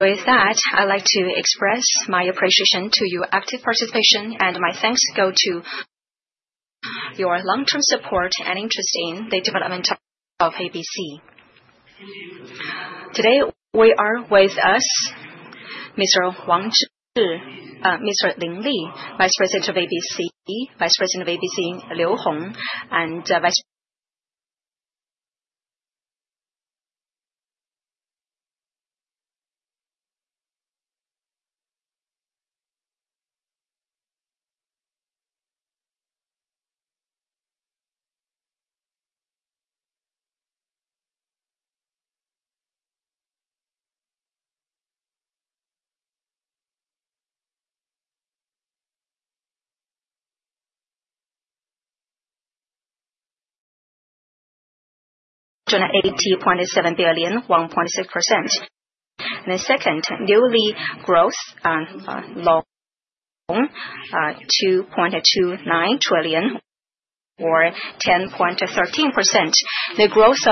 With that, I'd like to express my appreciation to your active participation, and my thanks go to your long-term support and interest in the development of ABC. Today, we are with us, Mr. Lin Li, Vice President of Agricultural Bank of China, Vice President of Agricultural Bank of China Liu Hong, and Vice President. RMB 280.7 billion, 1.6%. Then second, newly grossed loan, RMB 2.29 trillion, or 10.13%. The gross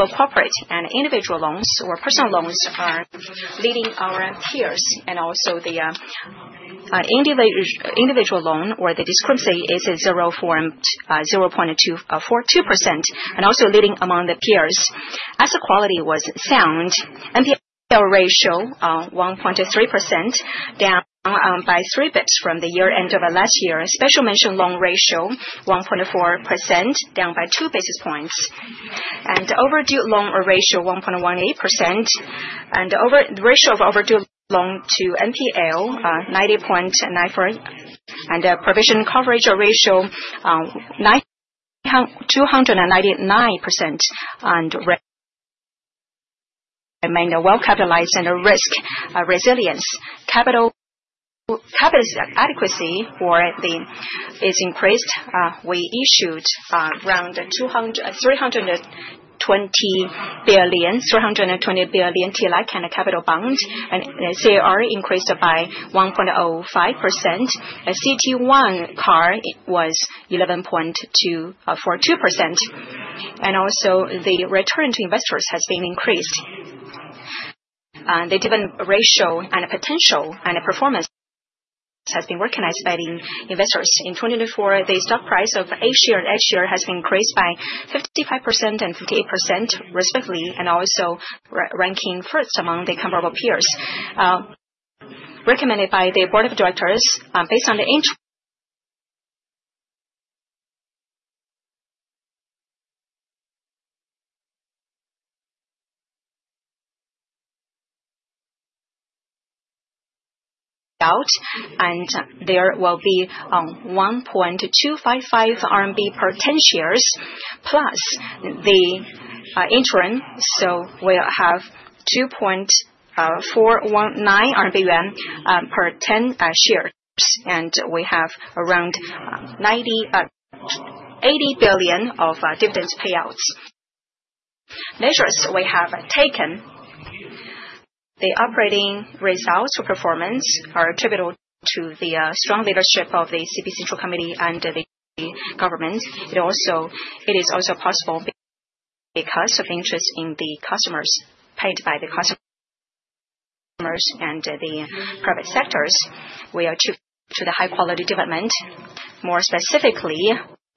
of corporate and individual loans, or personal loans, are leading our peers, and also the individual loan, or the discrepancy, is 0.242%, and also leading among the peers. Asset quality was sound. NPL ratio 1.3%, down by three basis points from the year-end of last year. Special mention loan ratio 1.4%, down by two basis points. Overdue loan ratio 1.18%, and ratio of overdue loan to NPL 90.94, and provision coverage ratio 299%, and remained well-capitalized and risk resilience. Capital adequacy for the is increased. We issued around 320 billion TLIC and capital bond, and CAR increased by 1.05%. CT1 CAR was 11.42%. The return to investors has been increased. The dividend ratio and potential and performance has been recognized by the investors. In 2024, the stock price of A-share and H-share has been increased by 55% and 58%, respectively, and also ranking first among the comparable peers. Recommended by the board of directors based on the out, and there will be 1.255 RMB per 10 shares, plus the interim, so we'll have 2.419 yuan per 10 shares, and we have around 80 billion of dividends payouts. Measures we have taken, the operating results or performance are attributable to the strong leadership of the Central Committee and the government. It is also possible because of interest in the customers paid by the customers and the private sectors. We are too to the high-quality development. More specifically,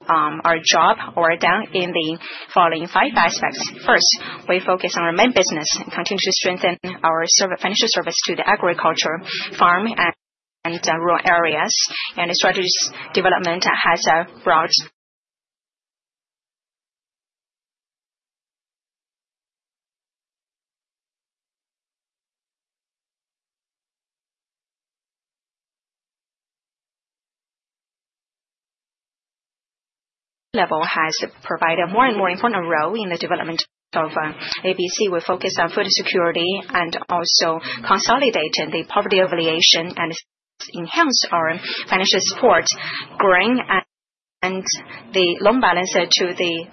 our job or down in the following five aspects. First, we focus on our main business and continue to strengthen our financial service to the agriculture, farm, and rural areas, and the strategies development has a broad. Level has provided a more and more important role in the development of Agricultural Bank of China. We focus on food security and also consolidating the poverty alleviation and enhance our financial support, growing the loan balance to the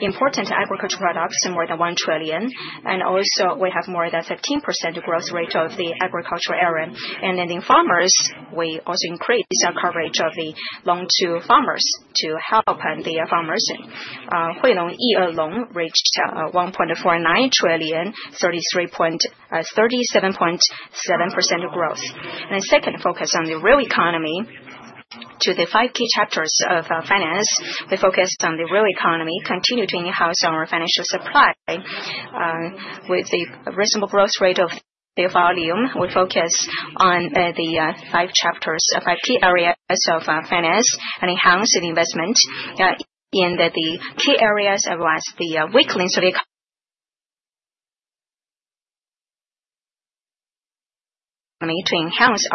important agriculture products, more than 1 trillion, and also we have more than 15% growth rate of the agriculture area. The farmers, we also increase our coverage of the loan to farmers to help the farmers. Huilongyi loan reached CNY 1.49 trillion, 33.37% growth. The second focus on the real economy to the five key chapters of finance. We focus on the real economy, continue to enhance our financial supply with the reasonable growth rate of the volume. We focus on the five chapters, five key areas of finance and enhance the investment in the key areas as well as the weak links of the economy to enhance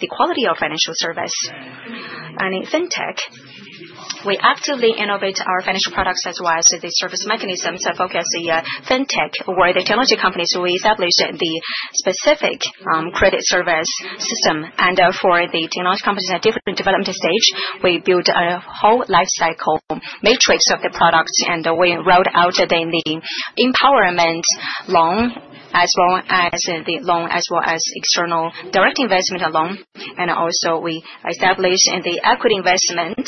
the quality of financial service. In fintech, we actively innovate our financial products as well as the service mechanisms that focus the fintech or the technology companies. We establish the specific credit service system, and for the technology companies at different development stages, we build a whole lifecycle matrix of the products, and we rolled out then the empowerment loan as well as the loan as well as external direct investment alone. We established the equity investment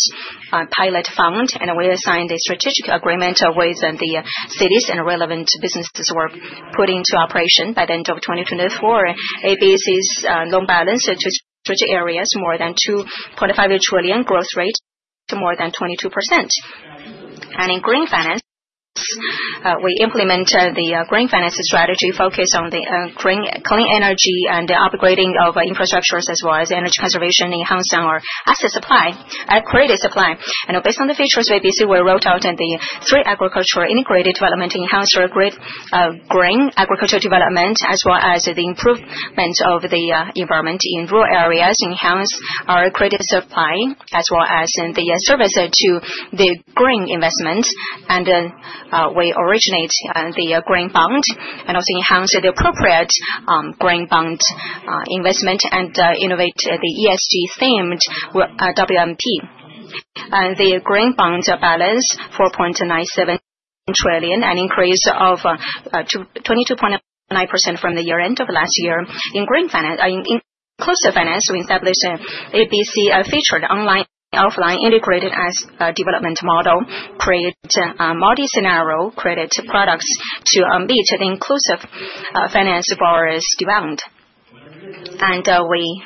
pilot fund, and we assigned the strategic agreement with the cities and relevant businesses were put into operation by the end of 2024. ABC's loan balance to strategic areas more than 2.5 trillion growth rate to more than 22%. In green finance, we implement the green finance strategy focused on clean energy and the upgrading of infrastructures as well as energy conservation, enhancing our asset supply, accredited supply. Based on the features, we rolled out the three agriculture integrated development, enhanced our green agriculture development as well as the improvement of the environment in rural areas, enhanced our accredited supply as well as the service to the green investment. We originate the green bond and also enhance the appropriate green bond investment and innovate the ESG themed WMP. The green bond balance is 4.97 trillion, an increase of 22.9% from the year-end of last year. In inclusive finance, we established ABC featured online offline integrated as development model, create multi-scenario credit products to meet the inclusive finance borrowers' demand. We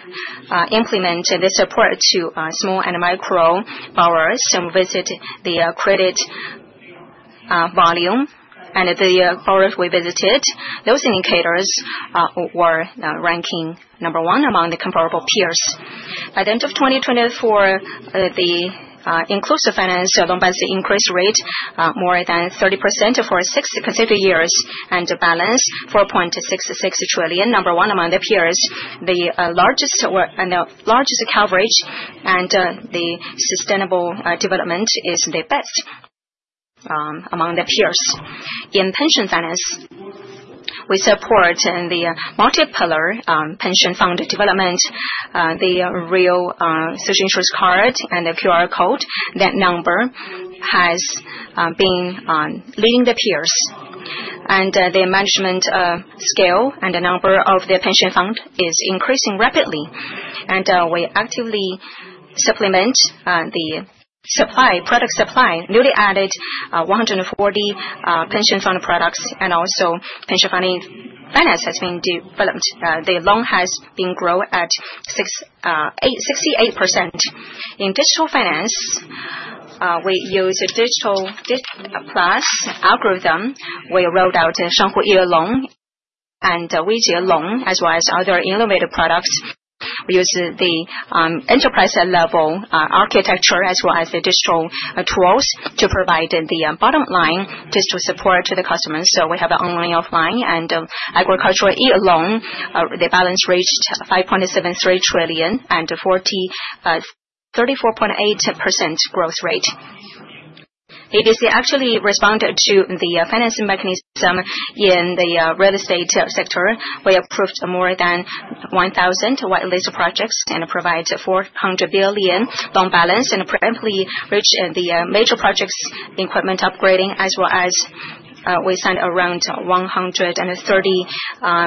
implement the support to small and micro borrowers and visit the credit volume and the borrowers we visited. Those indicators were ranking number one among the comparable peers. By the end of 2024, the inclusive finance loan balance increased rate more than 30% for six consecutive years and balance 4.66 trillion, number one among the peers. The largest coverage and the sustainable development is the best among the peers. In pension finance, we support the multiplier pension fund development, the real social insurance card, and the QR code. That number has been leading the peers. The management scale and the number of the pension fund is increasing rapidly. We actively supplement the product supply, newly added 140 pension fund products, and also pension funding finance has been developed. The loan has been grown at 68%. In digital finance, we use digital plus algorithm. We rolled out Shanghui loan and Wijia loan as well as other innovative products. We use the enterprise level architecture as well as the digital tools to provide the bottom line digital support to the customers. We have an online offline and agricultural E loan. The balance reached 5.73 trillion and 34.8% growth rate. Agricultural Bank of China actually responded to the financing mechanism in the real estate sector. We approved more than 1,000 whitelist projects and provide 400 billion loan balance and preemptively reached the major projects equipment upgrading as well as we signed around 130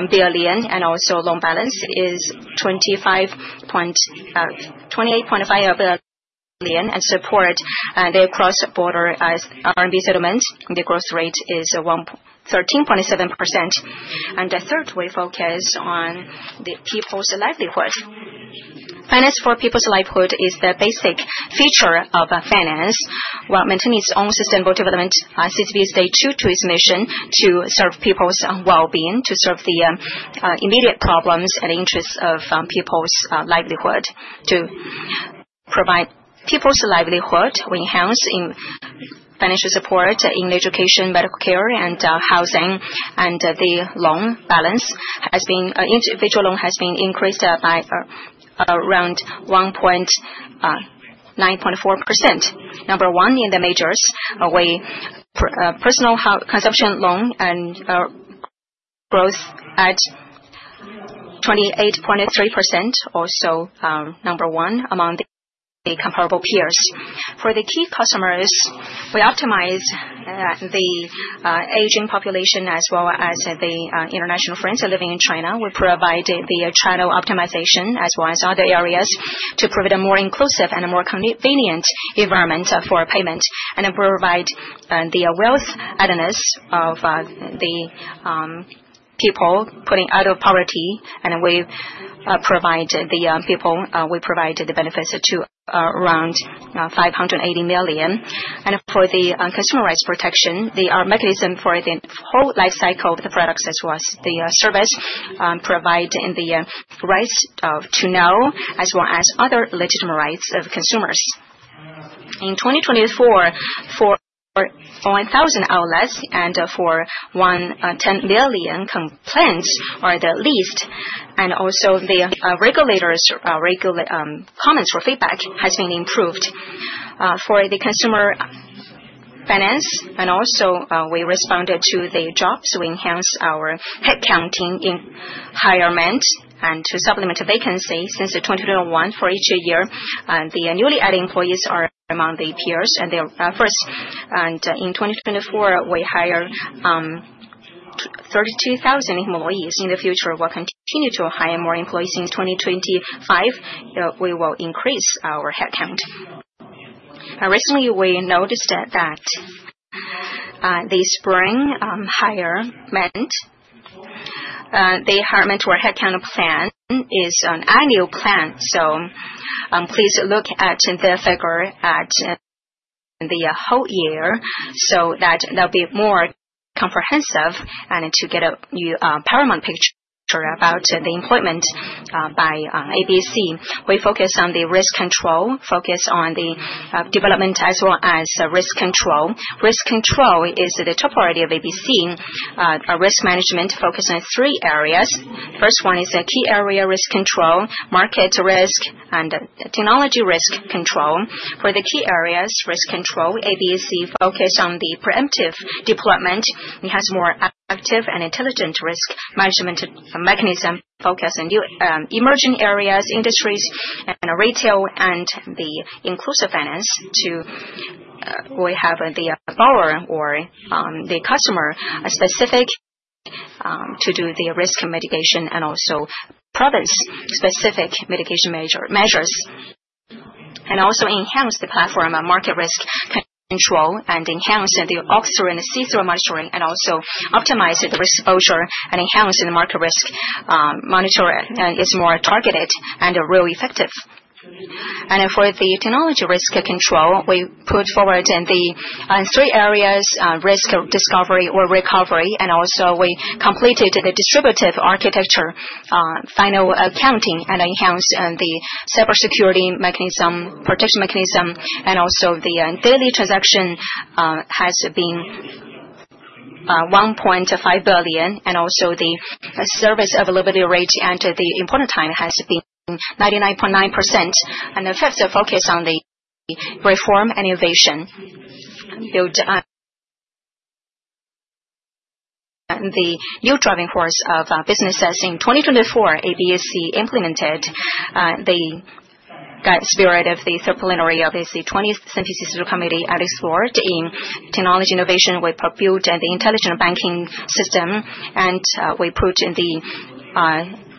billion and also loan balance is 28.5 billion and support the cross-border RMB settlement. The growth rate is 13.7%. The third, we focus on the people's livelihood. Finance for people's livelihood is the basic feature of finance. While maintaining its own sustainable development, Agricultural Bank of China stays true to its mission to serve people's well-being, to serve the immediate problems and interests of people's livelihood. To provide people's livelihood, we enhance financial support in education, medical care, and housing. The loan balance has been individual loan has been increased by around 1.94%, number one in the majors. We personal consumption loan and growth at 28.3%, also number one among the comparable peers. For the key customers, we optimize the aging population as well as the international friends living in China. We provide the channel optimization as well as other areas to provide a more inclusive and a more convenient environment for payment and provide the wealth avenues of the people putting out of poverty. We provide the people, we provide the benefits to around 580 million. For the consumer rights protection, the mechanism for the whole lifecycle of the products as well as the service provide in the rights to know as well as other legitimate rights of consumers. In 2024, for 1,000 outlets and for 110 million complaints or the least, and also the regulators' comments for feedback has been improved. For the consumer finance, and also we responded to the jobs, we enhance our headcounting in hirement and to supplement vacancy since 2021 for each year. The newly added employees are among the peers and the first. In 2024, we hire 32,000 employees. In the future, we'll continue to hire more employees. In 2025, we will increase our headcount. Recently, we noticed that the spring hirement, the hirement or headcount plan is an annual plan. Please look at the figure for the whole year so that there will be more comprehensive and to get a paramount picture about the employment by ABC. We focus on the risk control, focus on the development as well as risk control. Risk control is the top priority of ABC, risk management focused on three areas. First one is a key area risk control, market risk, and technology risk control. For the key areas risk control, ABC focused on the preemptive deployment. It has more active and intelligent risk management mechanism focused on emerging areas, industries, and retail and the inclusive finance to we have the borrower or the customer specific to do the risk mitigation and also province specific mitigation measures. We also enhance the platform market risk control and enhance the offshore and the see-through monitoring and also optimize the risk exposure and enhance the market risk monitor to be more targeted and real effective. For the technology risk control, we put forward in the three areas risk discovery or recovery and also we completed the distributive architecture final accounting and enhanced the cybersecurity mechanism, protection mechanism, and also the daily transaction has been 1.5 billion and also the service availability rate at the important time has been 99.9%. The fifth focus is on the reform and innovation to build the new driving force of businesses in 2024. Agricultural Bank of China implemented the spirit of the third plenary of the 20th CBC Central Committee and explored in technology innovation. We built the intelligent banking system and we put in the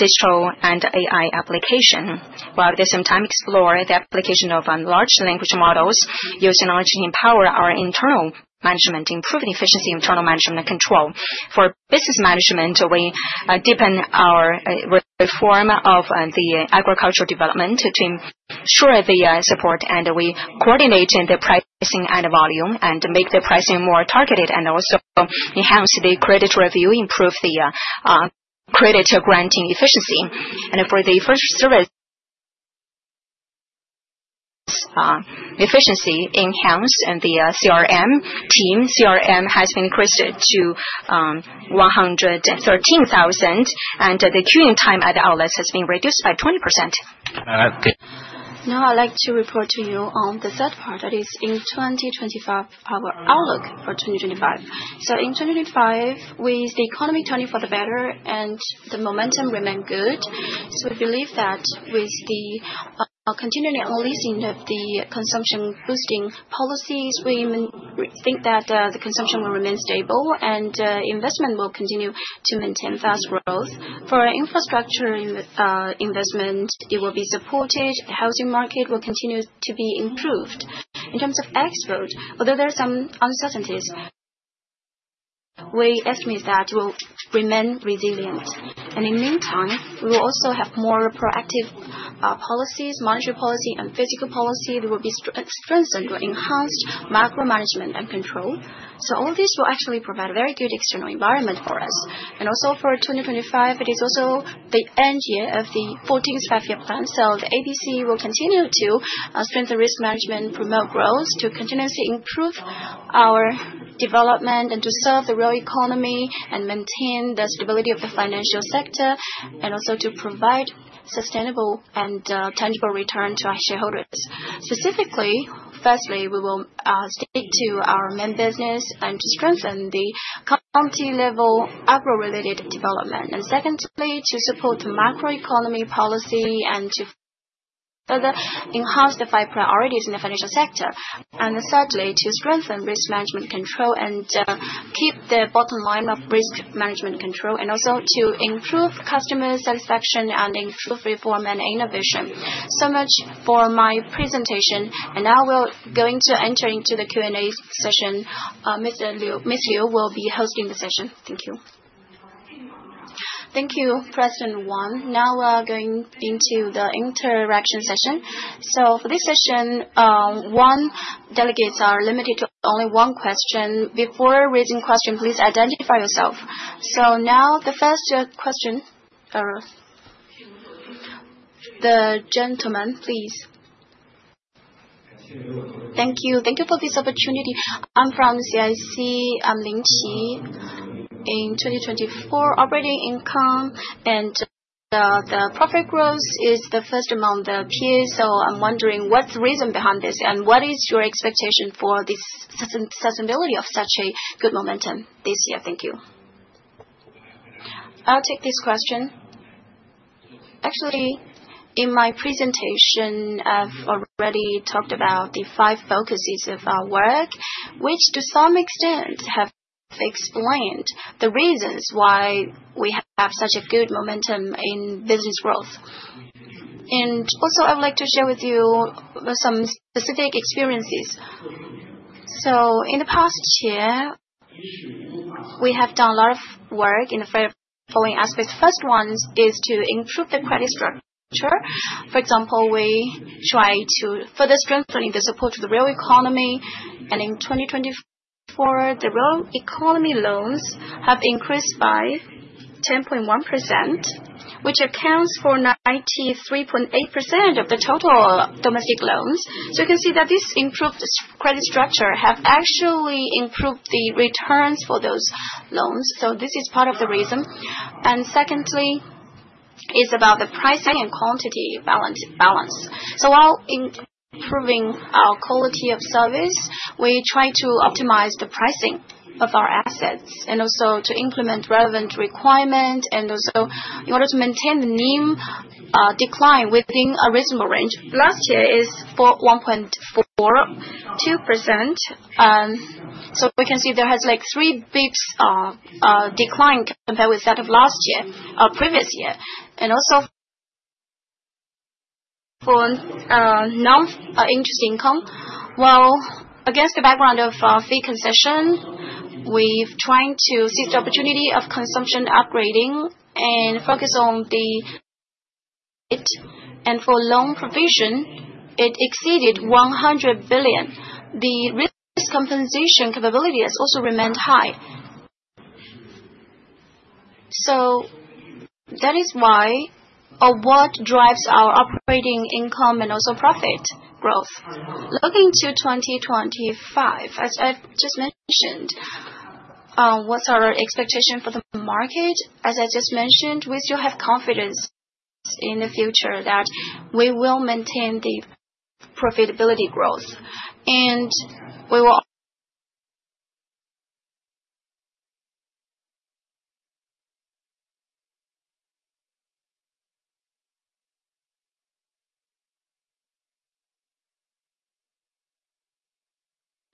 digital and AI application. While at the same time explore the application of large language models using knowledge to empower our internal management, improving efficiency, internal management and control. For business management, we deepen our reform of the agricultural development to ensure the support and we coordinate the pricing and volume and make the pricing more targeted and also enhance the credit review, improve the credit granting efficiency. For the first service efficiency, enhance the CRM team. CRM has been increased to 113,000 and the queuing time at the outlets has been reduced by 20%. Now I'd like to report to you on the third part, that is in 2025, our outlook for 2025. In 2025, with the economy turning for the better and the momentum remained good, we believe that with the continuing unleashing of the consumption boosting policies, we think that the consumption will remain stable and investment will continue to maintain fast growth. For infrastructure investment, it will be supported. Housing market will continue to be improved. In terms of export, although there are some uncertainties, we estimate that we'll remain resilient. In the meantime, we will also have more proactive policies, monetary policy and fiscal policy that will be strengthened or enhanced macro management and control. All this will actually provide a very good external environment for us. Also for 2025, it is also the end year of the 14th Five-Year Plan. Bank of China will continue to strengthen risk management, promote growth, to continuously improve our development and to serve the real economy and maintain the stability of the financial sector and also to provide sustainable and tangible return to our shareholders. Specifically, firstly, we will stick to our main business and to strengthen the county-level agro-related development. Secondly, to support macro economy policy and to further enhance the five priorities in the financial sector. Thirdly, to strengthen risk management control and keep the bottom line of risk management control and also to improve customer satisfaction and improve reform and innovation. So much for my presentation. Now we will go into entering to the Q&A session. Ms. Liu will be hosting the session. Thank you. Thank you, President Wang. Now we are going into the interaction session. For this session, one delegate is limited to only one question. Before raising question, please identify yourself. Now the first question, the gentleman, please. Thank you. Thank you for this opportunity. I'm from CIC. I'm Lin Qi. In 2024, operating income and the profit growth is the first among the peers. I'm wondering what's the reason behind this and what is your expectation for the sustainability of such a good momentum this year? Thank you. I'll take this question. Actually, in my presentation, I've already talked about the five focuses of our work, which to some extent have explained the reasons why we have such a good momentum in business growth. I would like to share with you some specific experiences. In the past year, we have done a lot of work in the following aspects. The first one is to improve the credit structure. For example, we try to further strengthen the support to the real economy. In 2024, the real economy loans have increased by 10.1%, which accounts for 93.8% of the total domestic loans. You can see that this improved credit structure has actually improved the returns for those loans. This is part of the reason. Secondly, it is about the pricing and quantity balance. While improving our quality of service, we try to optimize the pricing of our assets and also to implement relevant requirements and also in order to maintain the net interest margin decline within a reasonable range. Last year it was 1.42%. We can see there has been a three basis points decline compared with that of the previous year. Also, for non-interest income, while against the background of fee concession, we have tried to seize the opportunity of consumption upgrading and focus on the. For loan provision, it exceeded 100 billion. The risk compensation capability has also remained high. That is what drives our operating income and also profit growth. Looking to 2025, as I have just mentioned, what is our expectation for the market? As I just mentioned, we still have confidence in the future that we will maintain the profitability growth. We will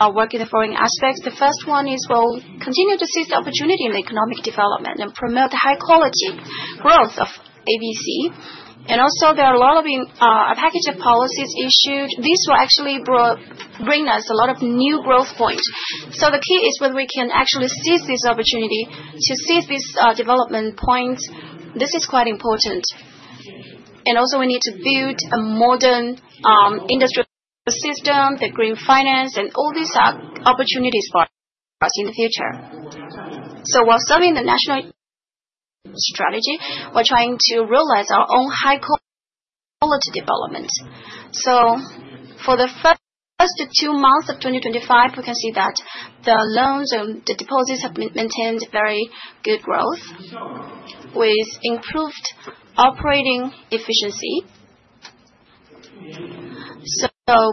work in the following aspects. The first one is we will continue to seize the opportunity in economic development and promote the high-quality growth of Agricultural Bank of China. Also, there are a lot of packages of policies issued. This will actually bring us a lot of new growth points. The key is whether we can actually seize this opportunity to seize these development points. This is quite important. We need to build a modern industrial system, the green finance, and all these are opportunities for us in the future. While serving the national strategy, we're trying to realize our own high-quality development. For the first two months of 2025, we can see that the loans and the deposits have maintained very good growth with improved operating efficiency.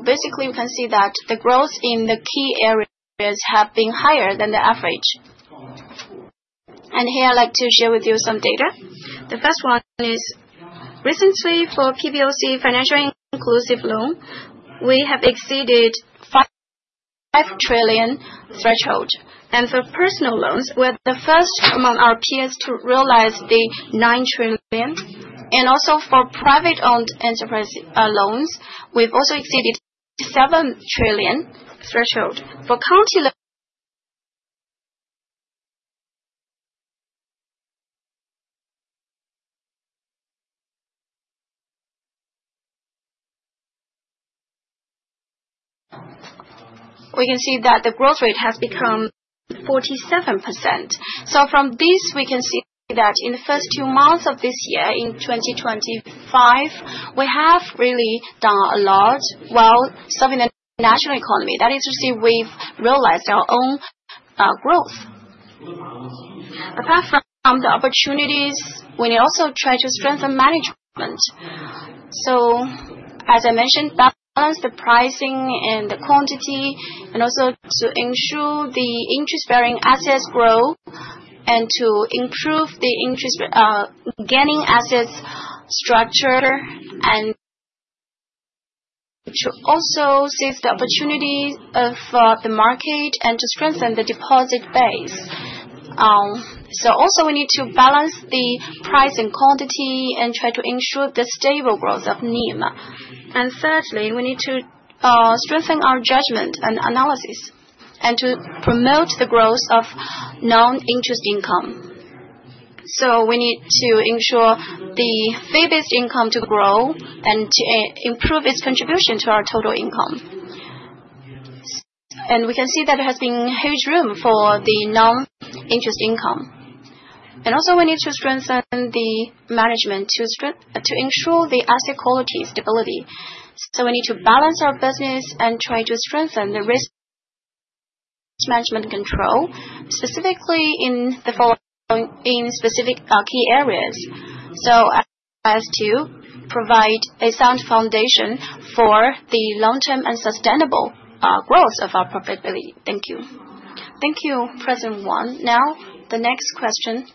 Basically, we can see that the growth in the key areas has been higher than the average. Here, I'd like to share with you some data. The first one is recently for PBOC financial inclusive loan, we have exceeded the 5 trillion threshold. For personal loans, we're the first among our peers to realize the 9 trillion. For private-owned enterprise loans, we've also exceeded the 7 trillion threshold. For county loans, we can see that the growth rate has become 47%. From this, we can see that in the first two months of this year, in 2025, we have really done a lot while serving the national economy. That is to say, we've realized our own growth. Apart from the opportunities, we also try to strengthen management. As I mentioned, balance the pricing and the quantity and also to ensure the interest-bearing assets grow and to improve the interest-gaining assets structure and to also seize the opportunities of the market and to strengthen the deposit base. Also, we need to balance the price and quantity and try to ensure the stable growth of NIM. Thirdly, we need to strengthen our judgment and analysis and to promote the growth of non-interest income. We need to ensure the fee-based income to grow and to improve its contribution to our total income. We can see that there has been huge room for the non-interest income. Also, we need to strengthen the management to ensure the asset quality stability. We need to balance our business and try to strengthen the risk management control, specifically in the following in specific key areas. As to provide a sound foundation for the long-term and sustainable growth of our profitability. Thank you. Thank you, President Wang. Now, the next question.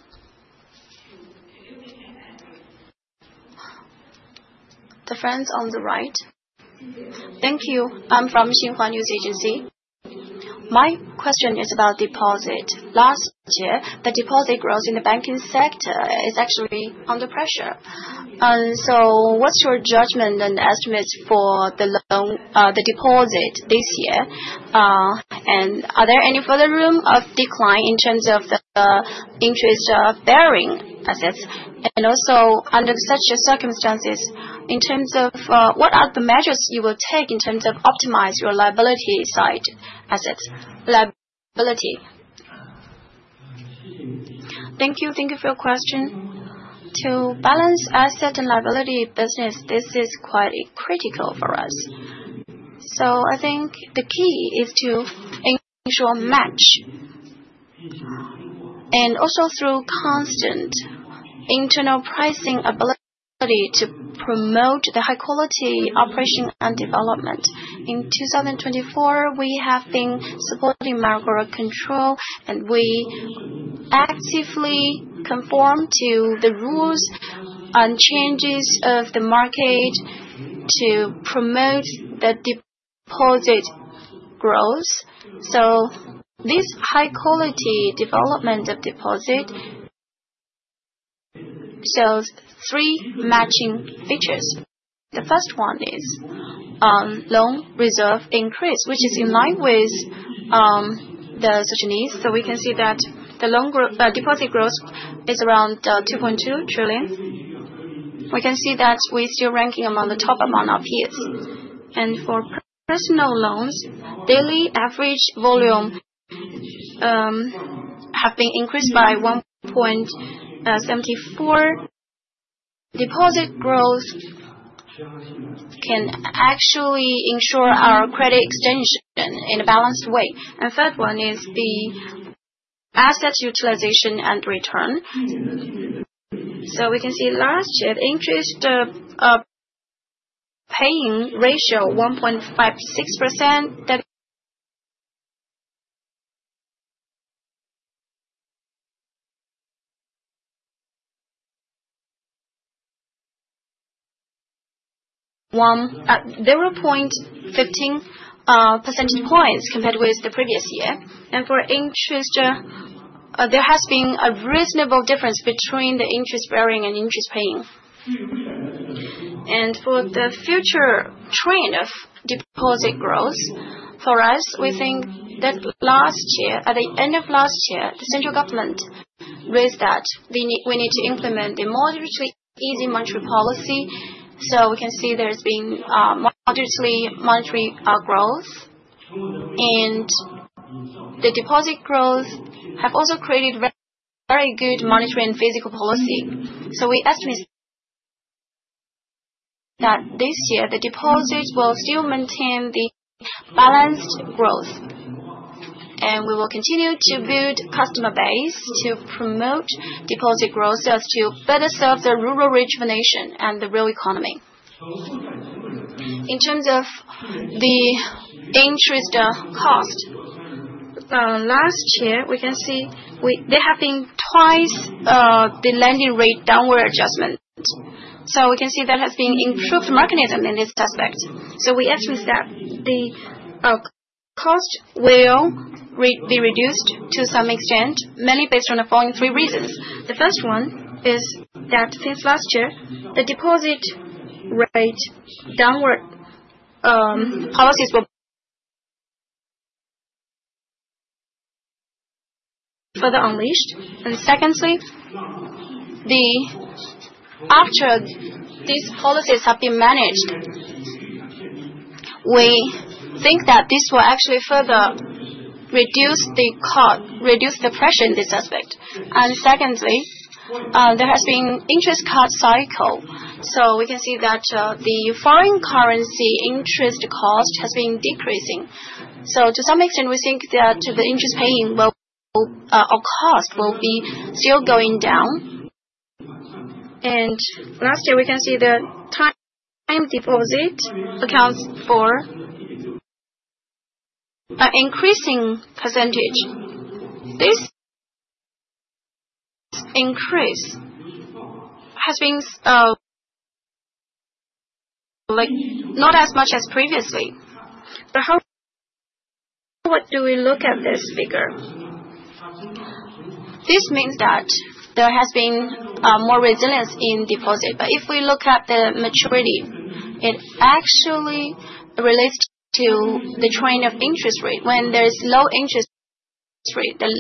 The friends on the right. Thank you. I'm from Xinhua News Agency. My question is about deposit. Last year, the deposit growth in the banking sector is actually under pressure. What's your judgment and estimates for the deposit this year? Are there any further room of decline in terms of the interest-bearing assets? Also, under such circumstances, in terms of what are the measures you will take in terms of optimizing your liability side assets? Thank you. Thank you for your question. To balance asset and liability business, this is quite critical for us. I think the key is to ensure match. Also, through constant internal pricing ability to promote the high-quality operation and development. In 2024, we have been supporting macro control, and we actively conform to the rules and changes of the market to promote the deposit growth. This high-quality development of deposit shows three matching features. The first one is loan reserve increase, which is in line with the social needs. We can see that the deposit growth is around 2.2 trillion. We can see that we're still ranking among the top among our peers. For personal loans, daily average volume has been increased by 1.74. Deposit growth can actually ensure our credit extension in a balanced way. The third one is the asset utilization and return. We can see last year, the interest paying ratio was 1.56%. That is 0.15 percentage points compared with the previous year. For interest, there has been a reasonable difference between the interest-bearing and interest-paying. For the future trend of deposit growth for us, we think that last year, at the end of last year, the central government raised that we need to implement the moderately easy monetary policy. We can see there has been moderately monetary growth. The deposit growth has also created very good monetary and fiscal policy. We estimate that this year, the deposits will still maintain the balanced growth. We will continue to build customer base to promote deposit growth to better serve the rural-rich nation and the real economy. In terms of the interest cost, last year, we can see there have been twice the lending rate downward adjustment. We can see that has been improved mechanism in this aspect. We estimate that the cost will be reduced to some extent, mainly based on the following three reasons. The first one is that since last year, the deposit rate downward policies were further unleashed. Secondly, after these policies have been managed, we think that this will actually further reduce the cost, reduce the pressure in this aspect. There has been an interest cost cycle. We can see that the foreign currency interest cost has been decreasing. To some extent, we think that the interest paying or cost will be still going down. Last year, we can see the time deposit accounts for an increasing percentage. This increase has been not as much as previously. What do we look at this figure? This means that there has been more resilience in deposit. If we look at the maturity, it actually relates to the trend of interest rate. When there is low interest rate, the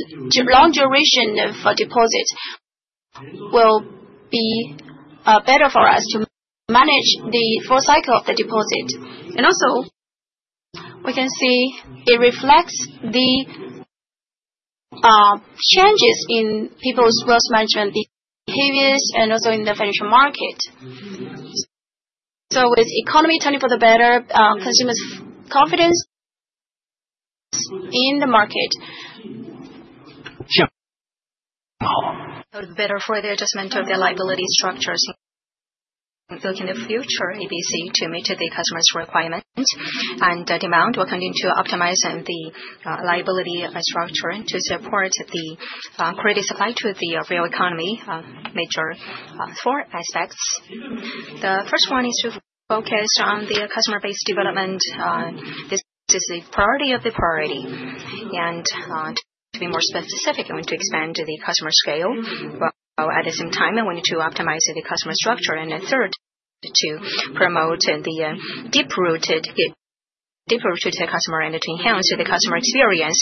long duration for deposit will be better for us to manage the full cycle of the deposit. We can see it reflects the changes in people's wealth management behaviors and also in the financial market. With economy turning for the better, consumers' confidence in the market. It's better for the adjustment of their liability structures. Looking to the future, ABC to meet the customer's requirement and demand, we're continuing to optimize the liability structure to support the credit supply to the real economy, major four aspects. The first one is to focus on the customer-based development. This is the priority of the priority. To be more specific, we want to expand the customer scale while at the same time, we want to optimize the customer structure. The third, to promote the deep-rooted customer and to enhance the customer experience,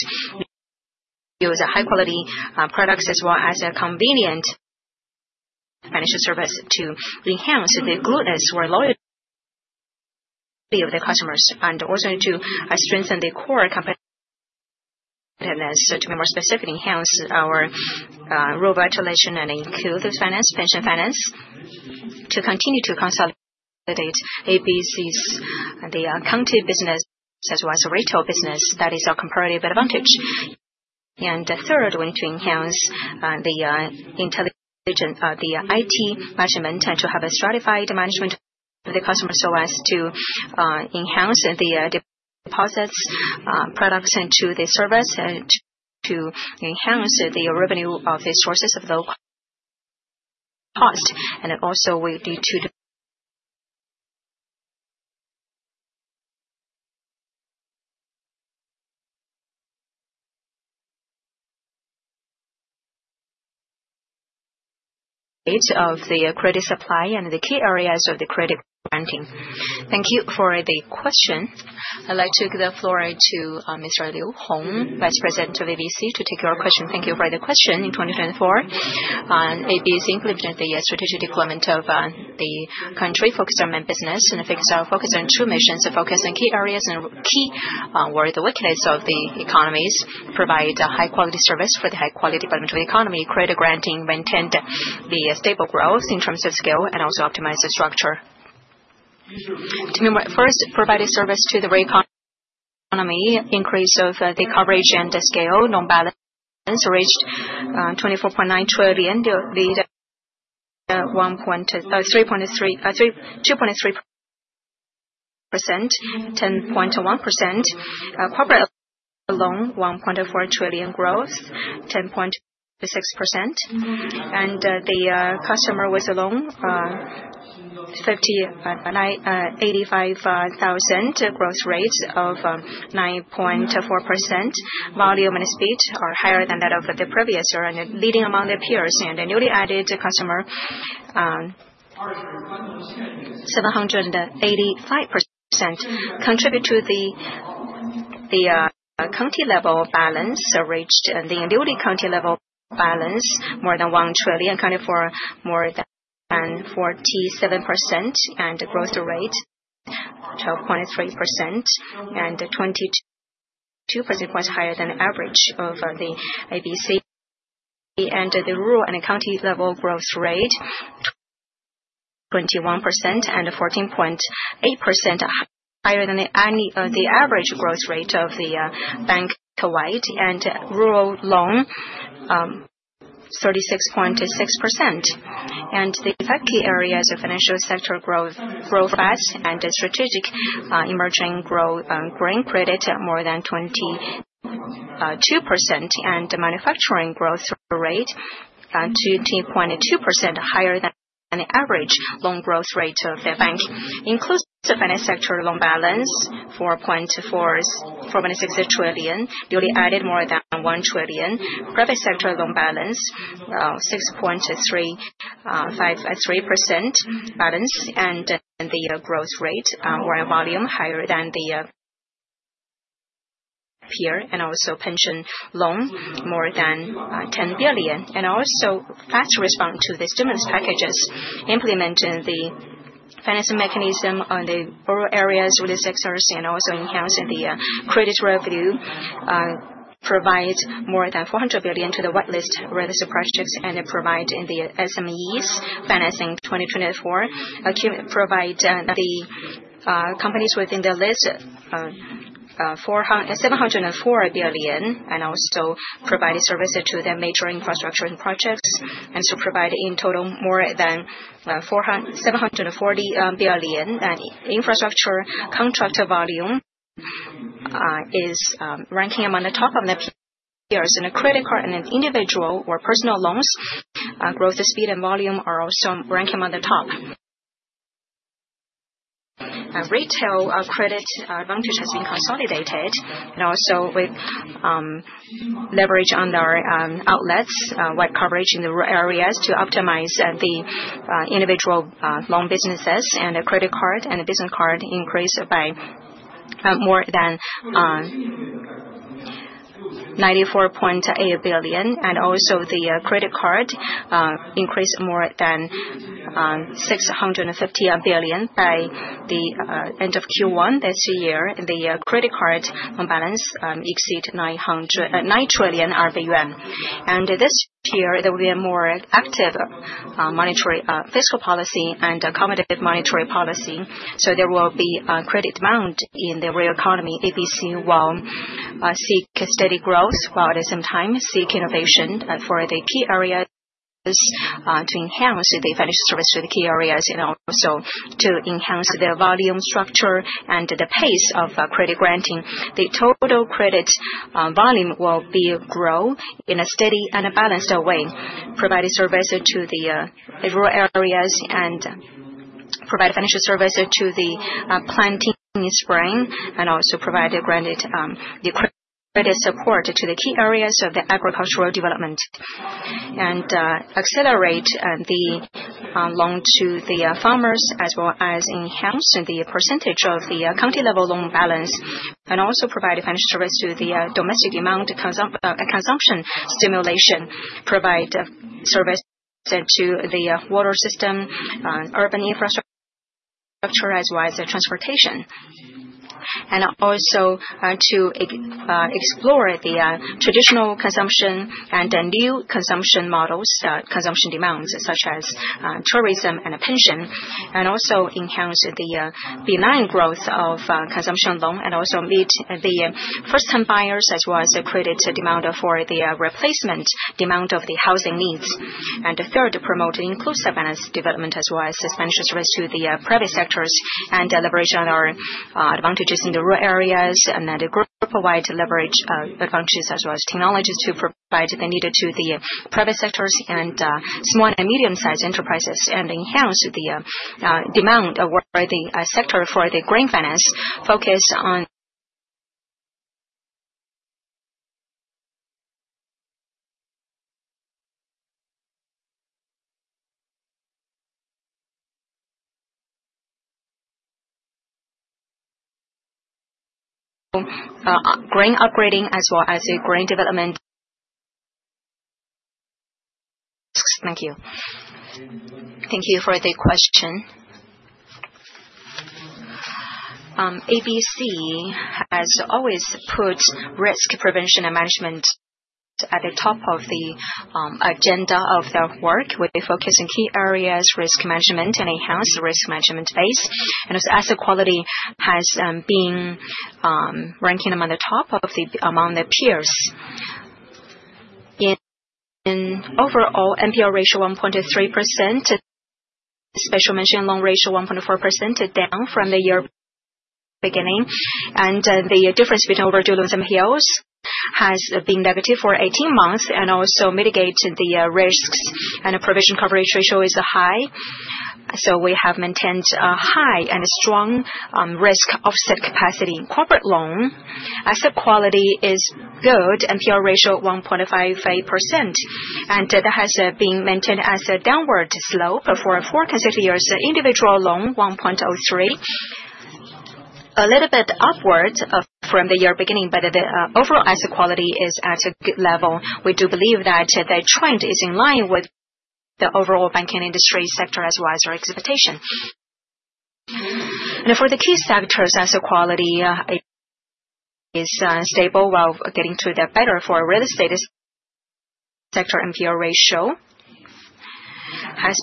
use high-quality products as well as a convenient financial service to enhance the goodness or loyalty of the customers. Also to strengthen the core competitiveness. To be more specific, enhance our revitalization and include finance, pension finance, to continue to consolidate ABC's accounting business as well as retail business. That is our comparative advantage. Third, we need to enhance the intelligence of the IT management and to have a stratified management of the customer so as to enhance the deposits, products, and the service to enhance the revenue of the sources of low cost. Also, we need to of the credit supply and the key areas of the credit granting. Thank you for the question. I'd like to give the floor to Mr. Liu Hong, Vice President of Agricultural Bank of China, to take your question. Thank you for the question. In 2024, Agricultural Bank of China implemented the strategic deployment of the country focused on main business. Focus on two missions. Focus on key areas and key words of weakness of the economies. Provide high-quality service for the high-quality development of the economy. Credit granting maintained the stable growth in terms of scale and also optimized the structure. To be more at first, provide a service to the real economy. Increase of the coverage and the scale. Non-balance reached RMB 24.9 trillion. The 2.3%, 10.1%. Corporate loan, RMB 1.4 trillion growth, 10.6%. The customer was a loan, 85,000 growth rate of 9.4%. Volume and speed are higher than that of the previous year. Leading among the peers. The newly added customer, 785%. Contribute to the county-level balance reached. The newly county-level balance, more than 1 trillion. Counted for more than 47%. The growth rate, 12.3%. 22% was higher than average of the Agricultural Bank of China. The rural and county-level growth rate, 21%. 14.8% higher than the average growth rate of the bank wide. Rural loan, 36.6%. The five key areas of financial sector growth fast. Strategic emerging growth, green credit, more than 22%. Manufacturing growth rate, 20.2% higher than the average loan growth rate of the bank. Inclusive finance sector loan balance, 4.6 trillion. Newly added, more than 1 trillion. Private sector loan balance, 6.3% balance. The growth rate or volume higher than the peer. Pension loan, more than 10 billion. Fast response to the stimulus packages. Implementing the financing mechanism on the rural areas with this exercise. Enhancing the credit revenue. Provide more than 400 billion to the whitelist rate of subprojects. Provide in the SMEs financing 2024. Provide the companies within the list, 704 billion. Provide services to the major infrastructure and projects. Provide in total more than 740 billion. Infrastructure contract volume is ranking among the top of the peers. The credit card and individual or personal loans, growth, speed, and volume are also ranking among the top. Retail credit advantage has been consolidated. With leverage on our outlets, wide coverage in the rural areas is used to optimize the individual loan businesses. The credit card and the business card increased by more than 94.8 billion. The credit card increased more than 650 billion by the end of Q1 this year. The credit card balance exceeded 9 trillion yuan. This year, there will be a more active monetary fiscal policy and accommodative monetary policy. There will be credit demand in the real economy. Agricultural Bank of China will seek steady growth while at the same time seek innovation for the key areas to enhance the financial service to the key areas and also to enhance the volume structure and the pace of credit granting. The total credit volume will be grow in a steady and a balanced way. Provide a service to the rural areas and provide financial services to the planting in spring. Also provide the credit support to the key areas of the agricultural development. Accelerate the loan to the farmers as well as enhance the percentage of the county-level loan balance. Also provide financial service to the domestic demand, consumption stimulation. Provide service to the water system, urban infrastructure, as well as transportation. Also to explore the traditional consumption and new consumption models, consumption demands, such as tourism and pension. Also enhance the benign growth of consumption loan and also meet the first-time buyers as well as the credit demand for the replacement demand of the housing needs. Third, promote inclusive finance development as well as financial service to the private sectors and leverage on our advantages in the rural areas. Provide leverage advantages as well as technologies to provide the needed to the private sectors and small and medium-sized enterprises. Enhance the demand of the sector for the green finance focus on green upgrading as well as green development. Thank you. Thank you for the question. ABC has always put risk prevention and management at the top of the agenda of their work with focus on key areas, risk management, and enhanced risk management base. As a quality, has been ranking among the top of the among the peers. In overall, NPR ratio 1.3%, special mention loan ratio 1.4%, down from the year beginning. The difference between overdue loans and POs has been negative for 18 months. Also mitigate the risks and provision coverage ratio is high. We have maintained high and strong risk offset capacity. Corporate loan asset quality is good, NPR ratio 1.58%. That has been maintained as a downward slope for four consecutive years. Individual loan 1.03%, a little bit upward from the year beginning. The overall asset quality is at a good level. We do believe that the trend is in line with the overall banking industry sector as well as our expectation. For the key sectors, asset quality is stable while getting to the better for real estate sector NPR ratio. It has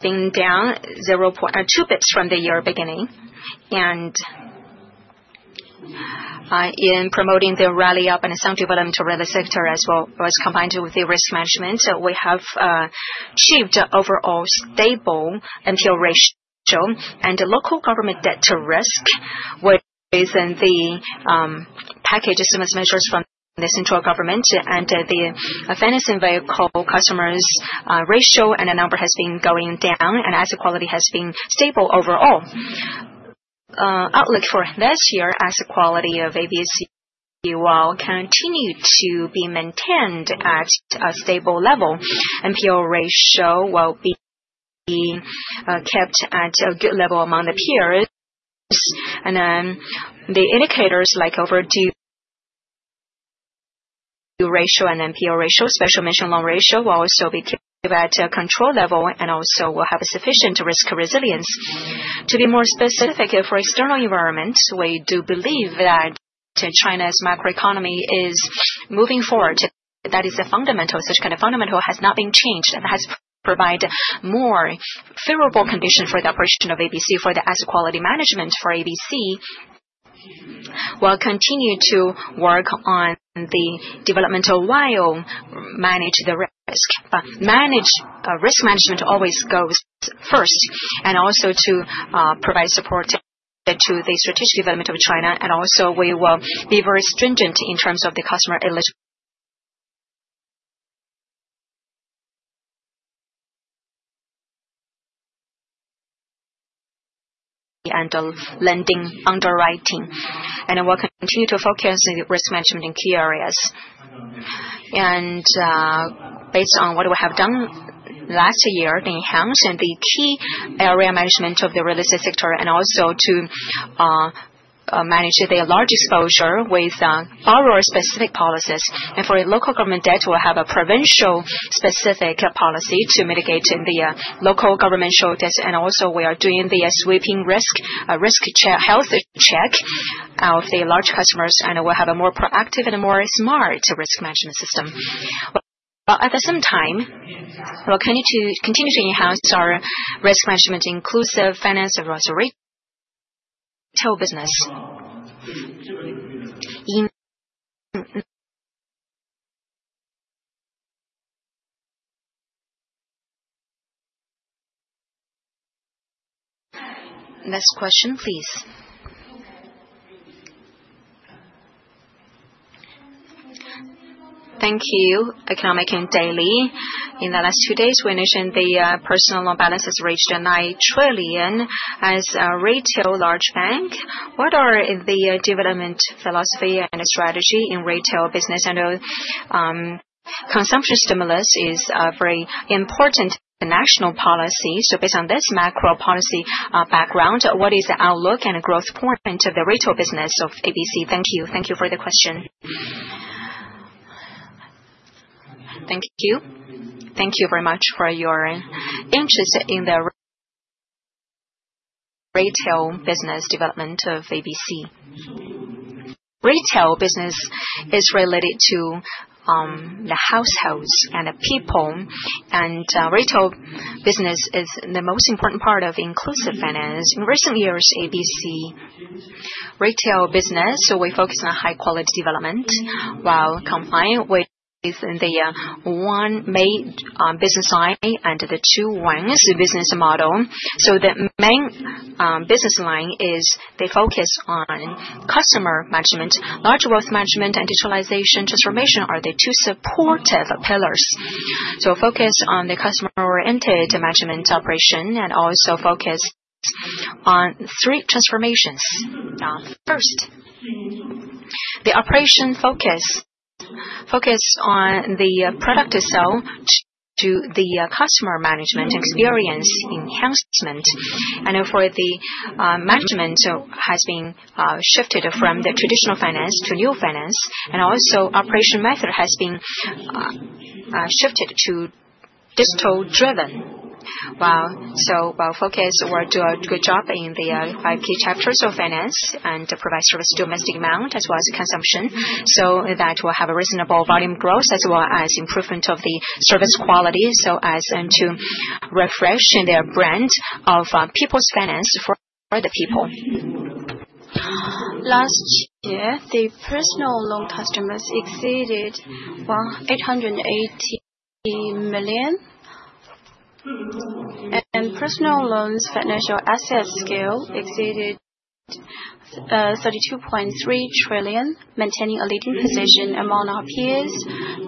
been down two basis points from the year beginning. In promoting the rally up and sound development around the sector as well as combined with the risk management, we have achieved overall stable NPR ratio. The local government debt to risk within the package stimulus measures from the central government and the financing vehicle customers' ratio and the number has been going down. Asset quality has been stable overall. Outlook for this year, asset quality of ABC will continue to be maintained at a stable level. NPR ratio will be kept at a good level among the peers. The indicators like overdue ratio and NPR ratio, special mention loan ratio will also be kept at a control level and also will have sufficient risk resilience. To be more specific, for external environments, we do believe that China's macroeconomy is moving forward. That is a fundamental. Such kind of fundamental has not been changed and has provided more favorable conditions for the operation of ABC for the asset quality management for ABC. We'll continue to work on the developmental while manage the risk. Risk management always goes first. Also to provide support to the strategic development of China. We will be very stringent in terms of the customer and the lending underwriting. We'll continue to focus on the risk management in key areas. Based on what we have done last year, enhancing the key area management of the real estate sector and also to manage the large exposure with borrower-specific policies. For local government debt, we'll have a provincial-specific policy to mitigate the local government show debt. We are doing the sweeping risk health check of the large customers. We'll have a more proactive and a more smart risk management system. At the same time, we'll continue to enhance our risk management, inclusive finance, and retail business. Next question, please. Thank you. Economic and daily. In the last two days, we mentioned the personal loan balance has reached 9 trillion as a retail large bank. What are the development philosophy and strategy in retail business? Consumption stimulus is a very important national policy. Based on this macro policy background, what is the outlook and growth point of the retail business of ABC? Thank you. Thank you for the question. Thank you. Thank you very much for your interest in the retail business development of ABC. Retail business is related to the households and the people. Retail business is the most important part of inclusive finance. In recent years, ABC retail business, so we focus on high-quality development while complying with the one main business line and the two ones business model. The main business line is they focus on customer management, large wealth management, and digitalization transformation are the two supportive pillars. Focus on the customer-oriented management operation and also focus on three transformations. First, the operation focus on the product itself to the customer management experience enhancement. For the management, so has been shifted from the traditional finance to new finance. Also operation method has been shifted to digital-driven. Focus or do a good job in the five key chapters of finance and provide service to domestic amount as well as consumption. That will have a reasonable volume growth as well as improvement of the service quality so as to refresh their brand of people's finance for the people. Last year, the personal loan customers exceeded 880 million. Personal loans financial asset scale exceeded 32.3 trillion, maintaining a leading position among our peers.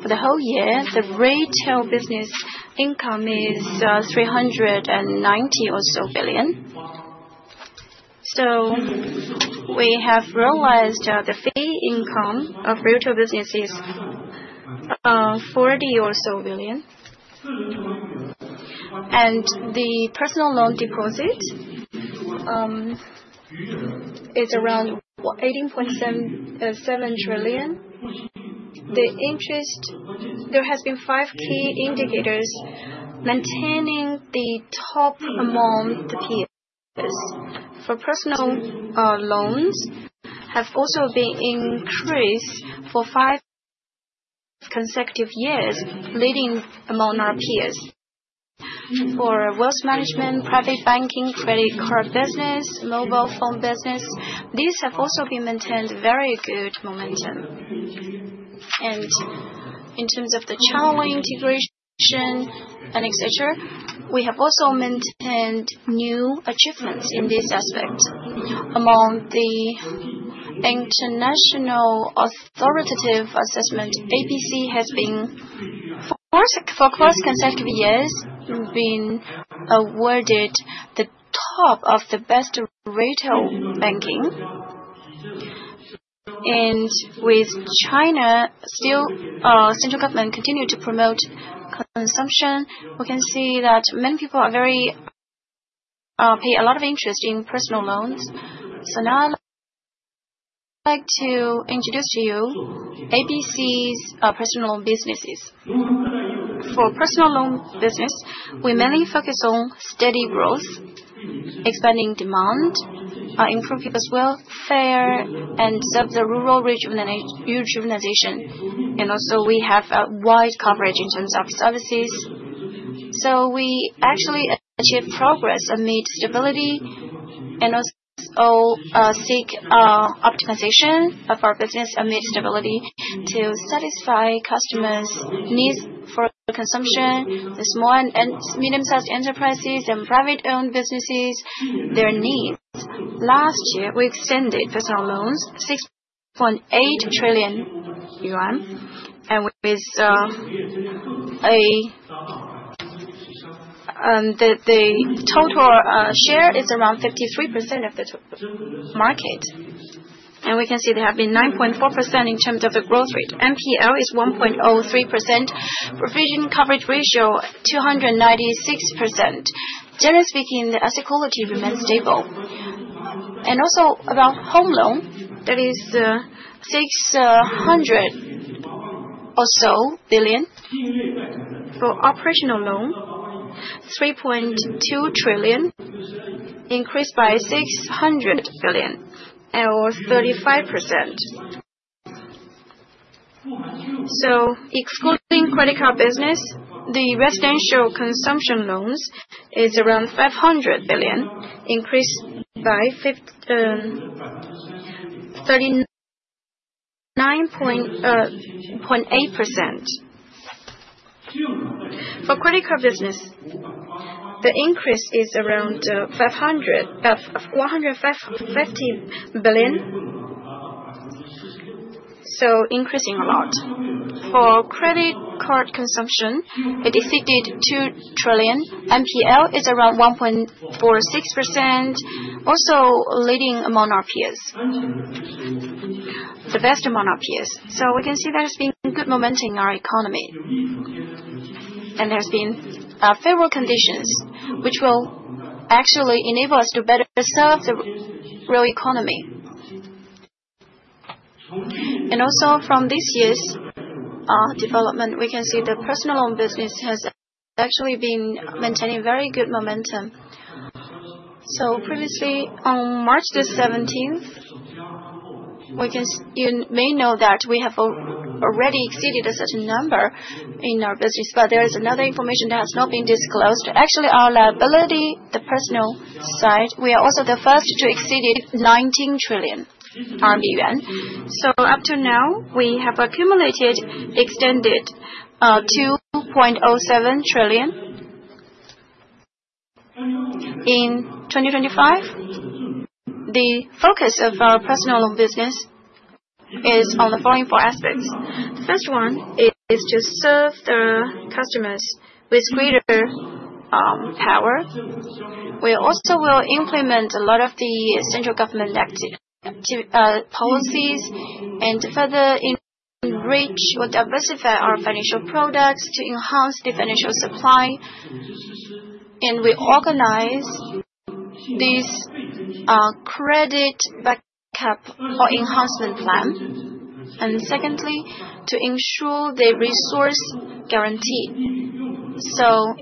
For the whole year, the retail business income is 390 billion or so. We have realized the fee income of retail business is 40 billion or so. The personal loan deposit is around 18.7 trillion. The interest, there has been five key indicators maintaining the top among the peers. For personal loans, have also been increased for five consecutive years, leading among our peers. For wealth management, private banking, credit card business, mobile phone business, these have also been maintained very good momentum. In terms of the channel integration and etc., we have also maintained new achievements in this aspect. Among the international authoritative assessment, Agricultural Bank of China has been for four consecutive years been awarded the top of the best retail banking. With China still, central government continued to promote consumption. We can see that many people are very pay a lot of interest in personal loans. Now I'd like to introduce to you ABC's personal loan businesses. For personal loan business, we mainly focus on steady growth, expanding demand, improving people's welfare, and serve the rural region and regionalization. Also, we have wide coverage in terms of services. We actually achieve progress amid stability and also seek optimization of our business amid stability to satisfy customers' needs for consumption, the small and medium-sized enterprises, and private-owned businesses, their needs. Last year, we extended personal loans 6.8 trillion yuan, with a total share around 53% of the market. We can see there have been 9.4% in terms of the growth rate. NPL is 1.03%, provision coverage ratio 296%. Generally speaking, the asset quality remains stable. Also, about home loan, that is 600 billion or so. For operational loan, 3.2 trillion, increased by 600 billion, or 35%. Excluding credit card business, the residential consumption loans is around 500 billion, increased by 39.8%. For credit card business, the increase is around 150 billion. Increasing a lot. For credit card consumption, it exceeded 2 trillion. NPL is around 1.46%, also leading among our peers, the best among our peers. We can see there has been good momentum in our economy. There have been favorable conditions which will actually enable us to better serve the real economy. Also from this year's development, we can see the personal loan business has actually been maintaining very good momentum. Previously, on March the 17th, you may know that we have already exceeded a certain number in our business. There is another information that has not been disclosed. Actually, our liability, the personal side, we are also the first to exceed 19 trillion yuan. Up to now, we have accumulated, extended 2.07 trillion in 2025. The focus of our personal loan business is on the following four aspects. The first one is to serve the customers with greater power. We also will implement a lot of the central government policies and further enrich or diversify our financial products to enhance the financial supply. We organize this credit backup or enhancement plan. Secondly, to ensure the resource guarantee.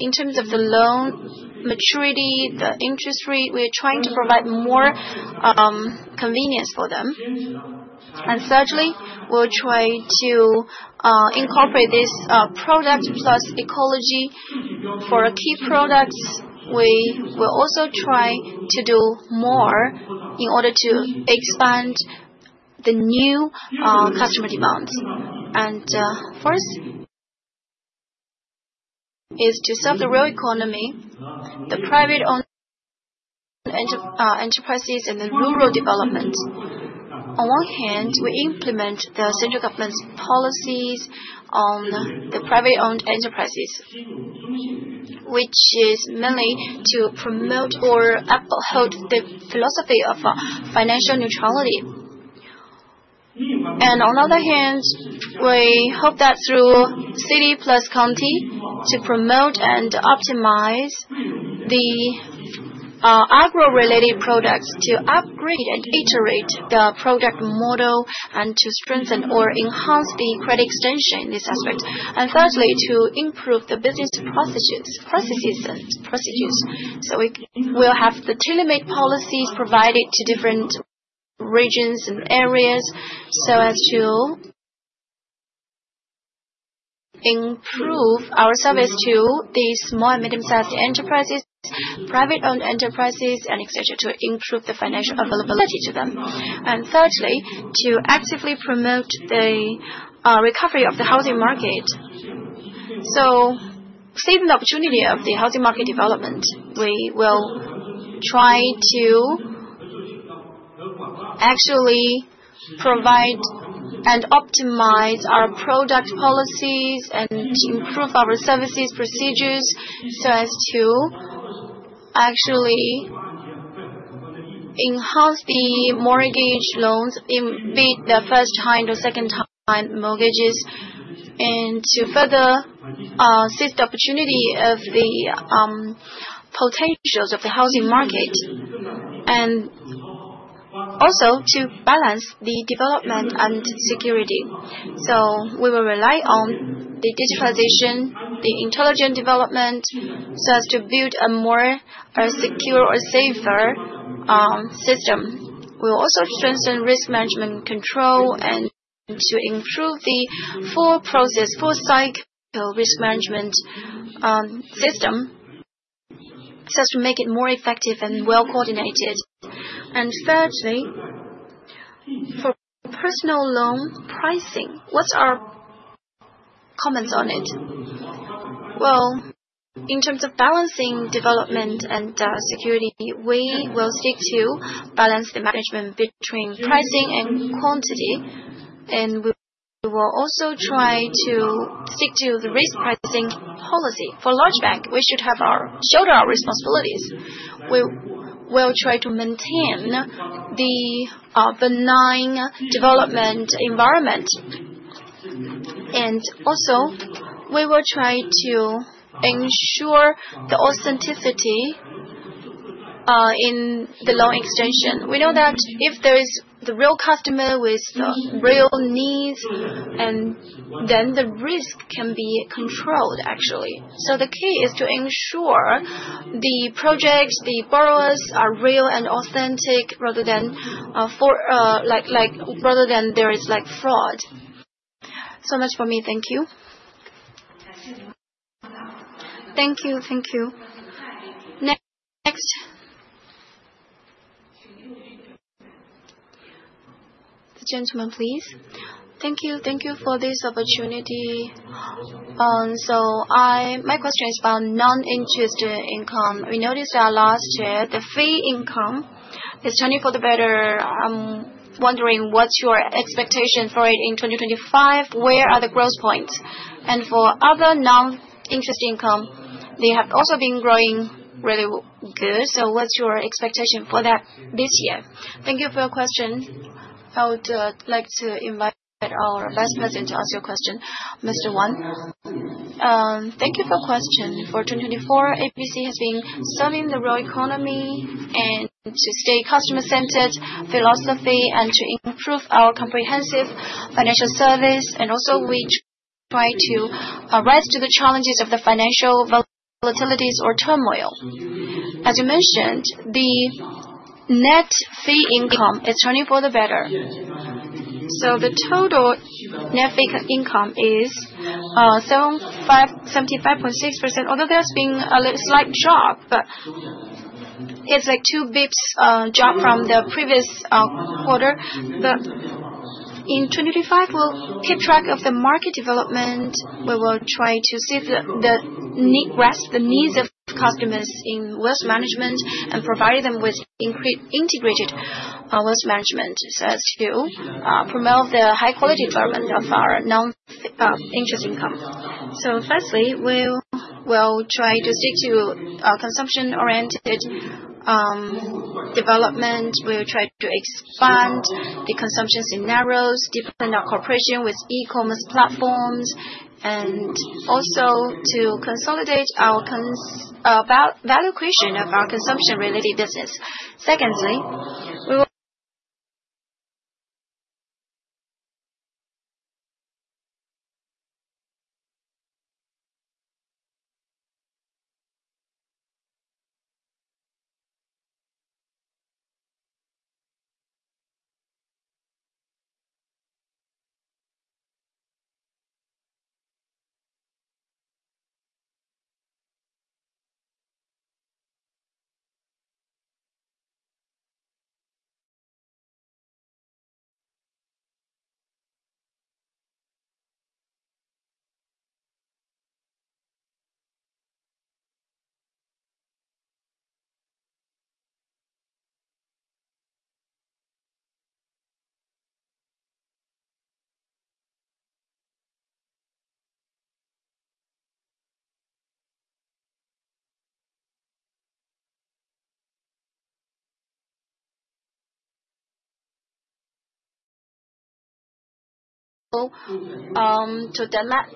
In terms of the loan maturity, the interest rate, we are trying to provide more convenience for them. Thirdly, we will try to incorporate this product plus ecology for key products. We will also try to do more in order to expand the new customer demands. Fourth is to serve the real economy, the private-owned enterprises, and the rural development. On one hand, we implement the central government's policies on the private-owned enterprises, which is mainly to promote or uphold the philosophy of financial neutrality. On the other hand, we hope that through city plus county to promote and optimize the agro-related products to upgrade and iterate the product model and to strengthen or enhance the credit extension in this aspect. Thirdly, to improve the business processes. We will have the tailor-made policies provided to different regions and areas so as to improve our service to the small and medium-sized enterprises, private-owned enterprises, and etc. to improve the financial availability to them. Thirdly, to actively promote the recovery of the housing market. Seizing the opportunity of the housing market development, we will try to actually provide and optimize our product policies and improve our services procedures so as to actually enhance the mortgage loans in both the first-time and second-time mortgages and to further seize the opportunity of the potentials of the housing market. Also, to balance the development and security, we will rely on the digitalization, the intelligent development so as to build a more secure or safer system. We will also strengthen risk management control and to improve the full process, full cycle risk management system so as to make it more effective and well-coordinated. Thirdly, for personal loan pricing, what's our comments on it? In terms of balancing development and security, we will stick to balance the management between pricing and quantity. We will also try to stick to the risk pricing policy. For large bank, we should have our shoulder our responsibilities. We will try to maintain the benign development environment. We will try to ensure the authenticity in the loan extension. We know that if there is the real customer with real needs, then the risk can be controlled, actually. The key is to ensure the projects, the borrowers are real and authentic rather than there is fraud. So much for me. Thank you. Thank you. Thank you. Next. The gentleman, please. Thank you. Thank you for this opportunity. My question is about non-interest income. We noticed last year the fee income is turning for the better. I'm wondering what's your expectation for it in 2025? Where are the growth points? For other non-interest income, they have also been growing really good. What's your expectation for that this year? Thank you for your question. I would like to invite our Vice President to ask your question, Mr. Wang. Thank you for your question. For 2024, Agricultural Bank of China has been serving the real economy and to stay customer-centered philosophy and to improve our comprehensive financial service. Also, we try to rise to the challenges of the financial volatilities or turmoil. As you mentioned, the net fee income is turning for the better. The total net income is 75.6%, although there has been a slight drop, but it is like two basis points drop from the previous quarter. In 2025, we will keep track of the market development. We will try to see the needs of customers in wealth management and provide them with integrated wealth management so as to promote the high-quality development of our non-interest income. Firstly, we will try to stick to consumption-oriented development. We'll try to expand the consumption scenarios, deepen our cooperation with e-commerce platforms, and also to consolidate our valuation of our consumption-related business. Secondly, we will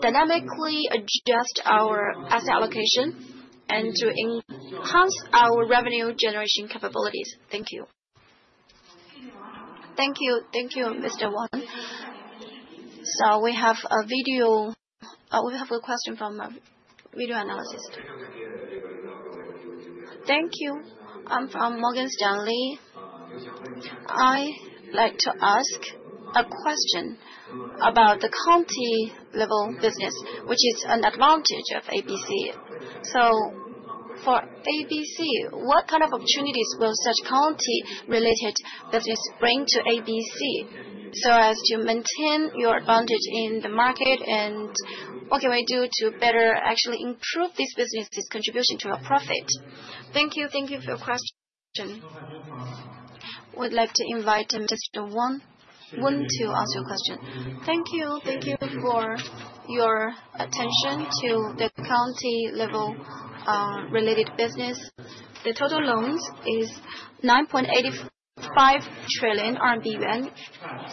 dynamically adjust our asset allocation and to enhance our revenue generation capabilities. Thank you. Thank you. Thank you, Mr. Wang. We have a video. We have a question from a video analysis. Thank you. I'm from Morgan Stanley. I'd like to ask a question about the county-level business, which is an advantage of ABC. For ABC, what kind of opportunities will such county-related business bring to ABC so as to maintain your advantage in the market? What can we do to better actually improve this business, this contribution to our profit? Thank you. Thank you for your question. We'd like to invite Mr. Wang to ask your question. Thank you. Thank you for your attention to the county-level related business. The total loans is 9.85 trillion yuan.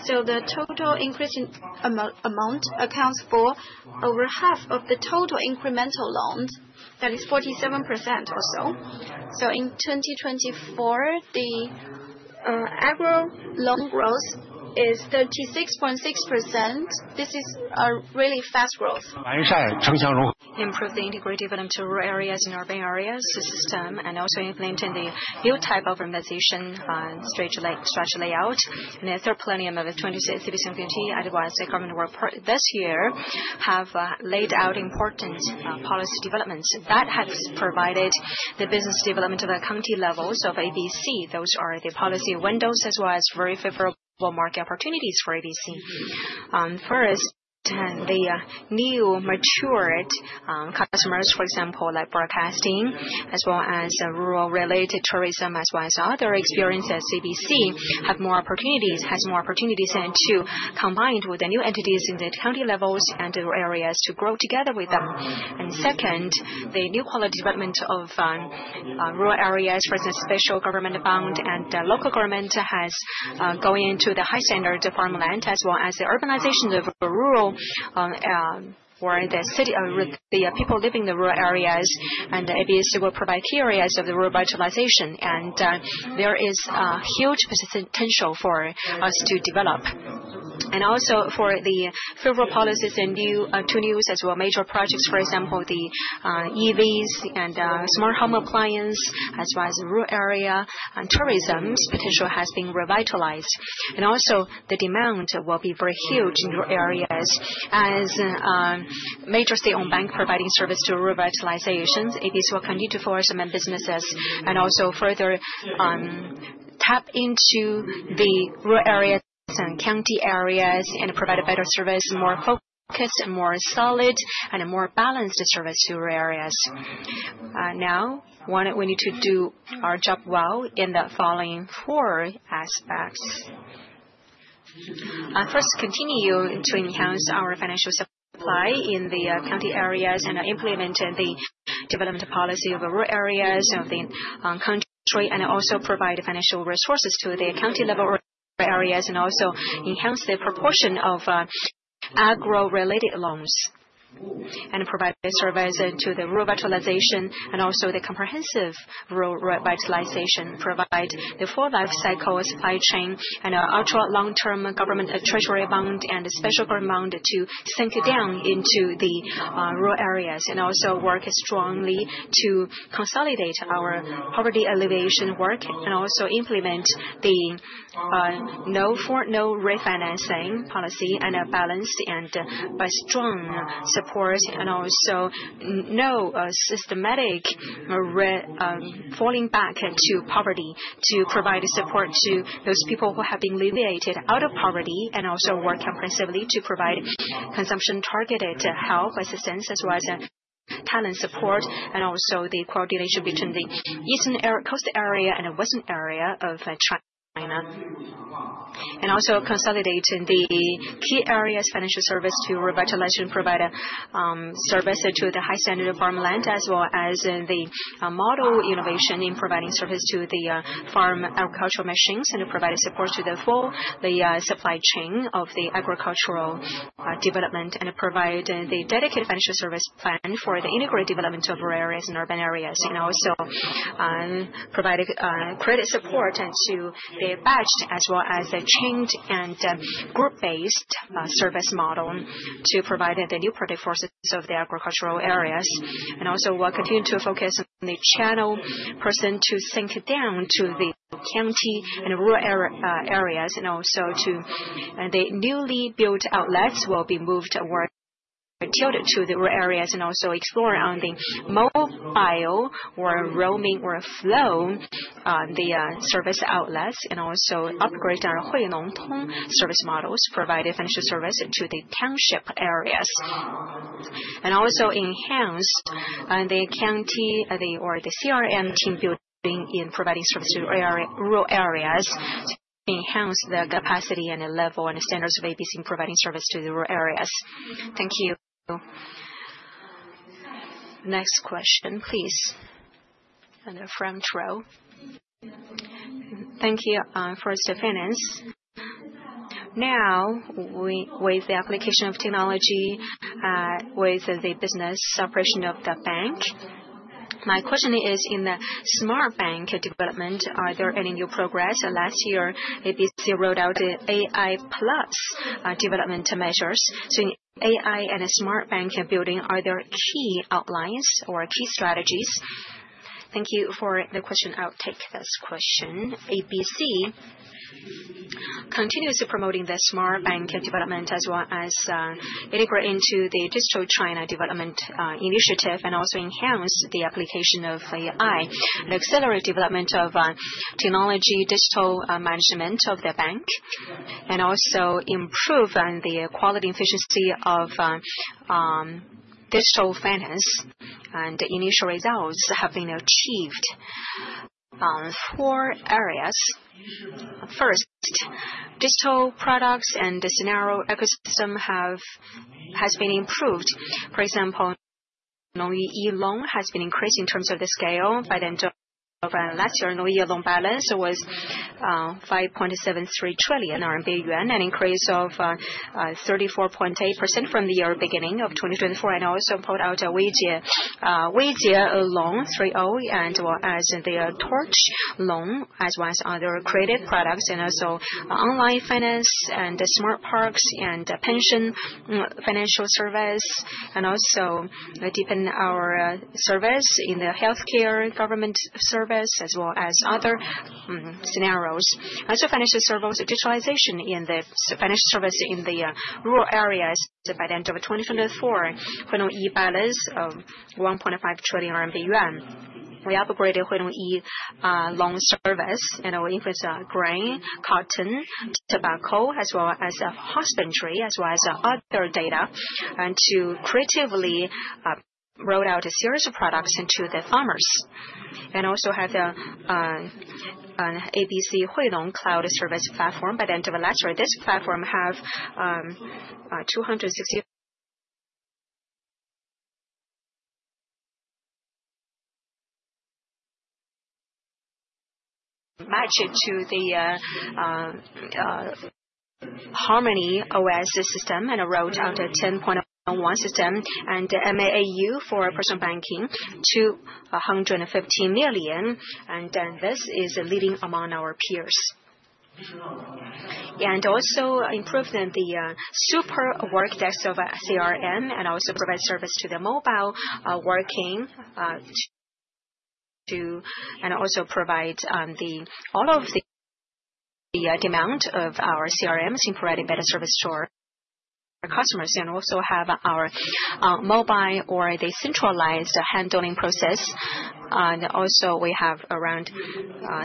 The total increase in amount accounts for over half of the total incremental loans. That is 47% or so. In 2024, the agro loan growth is 36.6%. This is a really fast growth. Improve the integrated developmental areas in urban areas system, and also implementing the new type of urbanization strategy layout. The third plenum of the 2026 CBC MPT, otherwise the government will. This year have laid out important policy developments that have provided the business development of the county levels of Agricultural Bank of China. Those are the policy windows as well as very favorable market opportunities for Agricultural Bank of China. First, the new matured customers, for example, like broadcasting, as well as rural-related tourism, as well as other experiences at ABC, have more opportunities, has more opportunities to combine with the new entities in the county levels and rural areas to grow together with them. Second, the new quality development of rural areas, for instance, special government bond and local government has gone into the high-standard farmland, as well as the urbanization of rural where the people living in the rural areas, and ABC will provide key areas of the rural revitalization. There is huge potential for us to develop. Also for the favorable policies and new to news as well major projects, for example, the EVs and smart home appliance, as well as rural area and tourism. This potential has been revitalized. Also, the demand will be very huge in rural areas as a major state-owned bank providing service to rural revitalizations. Agricultural Bank of China will continue to force some businesses and also further tap into the rural areas and county areas and provide a better service, more focused, and more solid, and a more balanced service to rural areas. Now, we need to do our job well in the following four aspects. First, continue to enhance our financial supply in the county areas and implement the development policy of rural areas of the country and also provide financial resources to the county-level rural areas and also enhance the proportion of agro-related loans and provide service to the rural revitalization and also the comprehensive rural revitalization. Provide the full life cycle supply chain and ultra-long-term government treasury bond and special government bond to sink down into the rural areas and also work strongly to consolidate our poverty alleviation work and also implement the no-refinancing policy and a balanced and strong support and also no systematic falling back to poverty to provide support to those people who have been alleviated out of poverty and also work comprehensively to provide consumption-targeted health assistance as well as talent support and also the coordination between the eastern coast area and the western area of China. are also consolidating the key areas of financial service to revitalization, providing service to the high-standard farmland as well as model innovation in providing service to farm agricultural machines, and providing support to the full supply chain of agricultural development. We provide the dedicated financial service plan for the integrated development of rural areas and urban areas, and also provide credit support to the batched, chained, and group-based service model to provide the new product forces of the agricultural areas. We will continue to focus on the channel person to sink down to the county and rural areas, and the newly built outlets will be moved or tilted to the rural areas. We will also explore the mobile, roaming, or flow-on service outlets and upgrade our Huilongtong service models, providing financial service to the township areas. Also enhance the county or the CRM team building in providing service to rural areas to enhance the capacity and the level and the standards of ABC in providing service to the rural areas. Thank you. Next question, please. In the front row. Thank you for the finance. Now, with the application of technology with the business operation of the bank, my question is in the smart bank development, are there any new progress? Last year, ABC rolled out the AI plus development measures. In AI and smart bank building, are there key outlines or key strategies? Thank you for the question. I'll take this question. ABC continues to promote the smart bank development as well as integrate into the Digital China Development Initiative and also enhance the application of AI and accelerate development of technology digital management of the bank and also improve the quality and efficiency of digital finance. The initial results have been achieved in four areas. First, digital products and the scenario ecosystem has been improved. For example, Nouyi Loan has been increased in terms of the scale by the end of last year. Nouyi Loan balance was 5.73 trillion yuan and increased 34.8% from the year beginning of 2024. Also pulled out a Wijia Loan, 3-0, and as the Torch Loan as well as other creative products and also online finance and smart parks and pension financial service and also deepen our service in the healthcare government service as well as other scenarios. Also financial service digitalization in the financial service in the rural areas by the end of 2024, Huilongyi balance of 1.5 trillion yuan. We upgraded Huilongyi loan service and we increased grain, cotton, tobacco, as well as hospitality as well as other data and to creatively roll out a series of products into the farmers. We also have the ABC Huilong cloud service platform by the end of last year. This platform has 260. Matched to the Harmony OS system and rolled out a 10.1 system and MAU for personal banking to 115 million. This is a leading among our peers. We also improved the super work desk of CRM and also provide service to the mobile working and also provide all of the demand of our CRMs and provide a better service to our customers and also have our mobile or the centralized handling process. We have around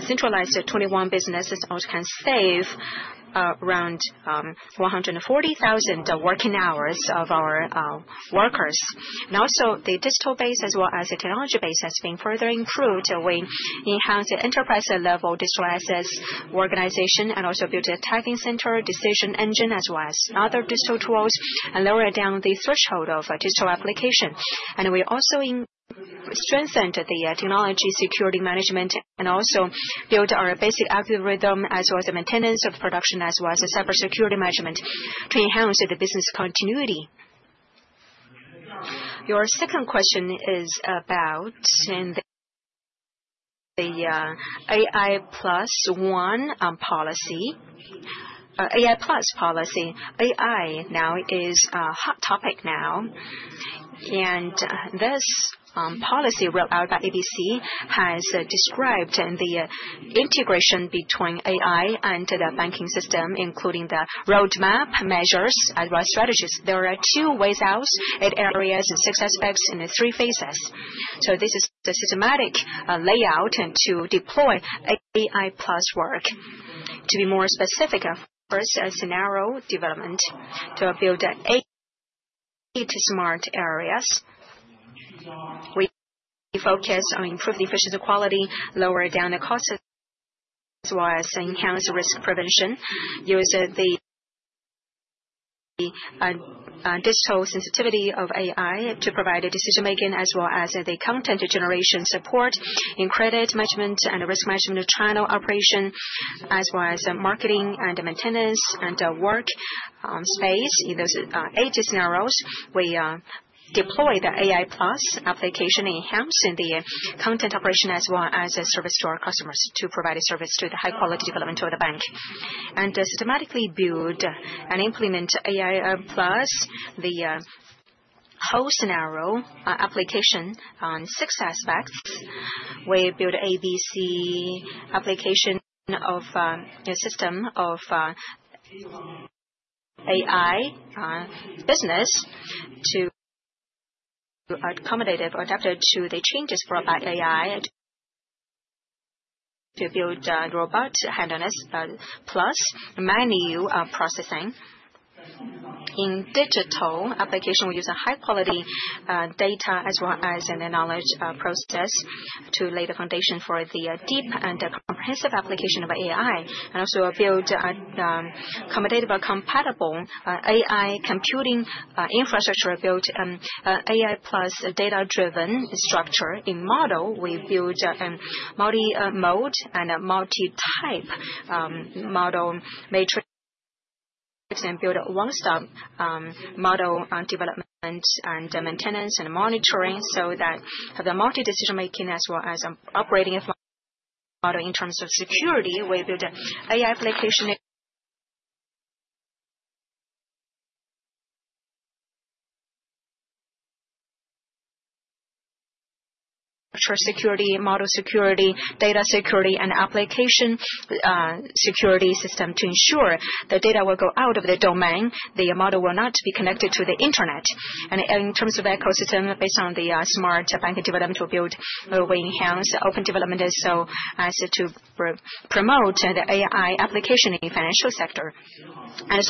centralized 21 businesses which can save around 140,000 working hours of our workers. The digital base as well as the technology base has been further improved. We enhanced the enterprise-level digital assets organization and also built a tagging center, decision engine, as well as other digital tools and lowered down the threshold of digital application. We also strengthened the technology security management and built our basic algorithm as well as the maintenance of production and the cybersecurity management to enhance the business continuity. Your second question is about the AI plus one policy. AI plus policy. AI now is a hot topic now. This policy rolled out by Agricultural Bank of China has described the integration between AI and the banking system, including the roadmap measures as well as strategies. There are two ways out, eight areas, six aspects, and three phases. This is the systematic layout to deploy AI plus work. To be more specific, first, scenario development to build eight smart areas. We focus on improving efficiency, quality, lower down the costs, as well as enhance risk prevention, use the digital sensitivity of AI to provide decision-making, as well as the content generation support in credit management and risk management channel operation, as well as marketing and maintenance and work space. In those eight scenarios, we deploy the AI plus application, enhancing the content operation as well as service to our customers to provide a service to the high-quality development of the bank. We systematically build and implement AI plus the whole scenario application on six aspects. We build ABC application of system of AI business to accommodate or adapt to the changes brought by AI to build robot handlers plus manual processing. In digital application, we use high-quality data as well as the knowledge process to lay the foundation for the deep and comprehensive application of AI and also build accommodative or compatible AI computing infrastructure, build AI plus data-driven structure in model. We build multi-mode and multi-type model matrix and build a one-stop model development and maintenance and monitoring so that the multi-decision-making as well as operating model in terms of security, we build AI application. Security model, security, data security, and application security system to ensure the data will go out of the domain, the model will not be connected to the internet. In terms of ecosystem, based on the smart bank development, we enhance open development as well as promote the AI application in the financial sector.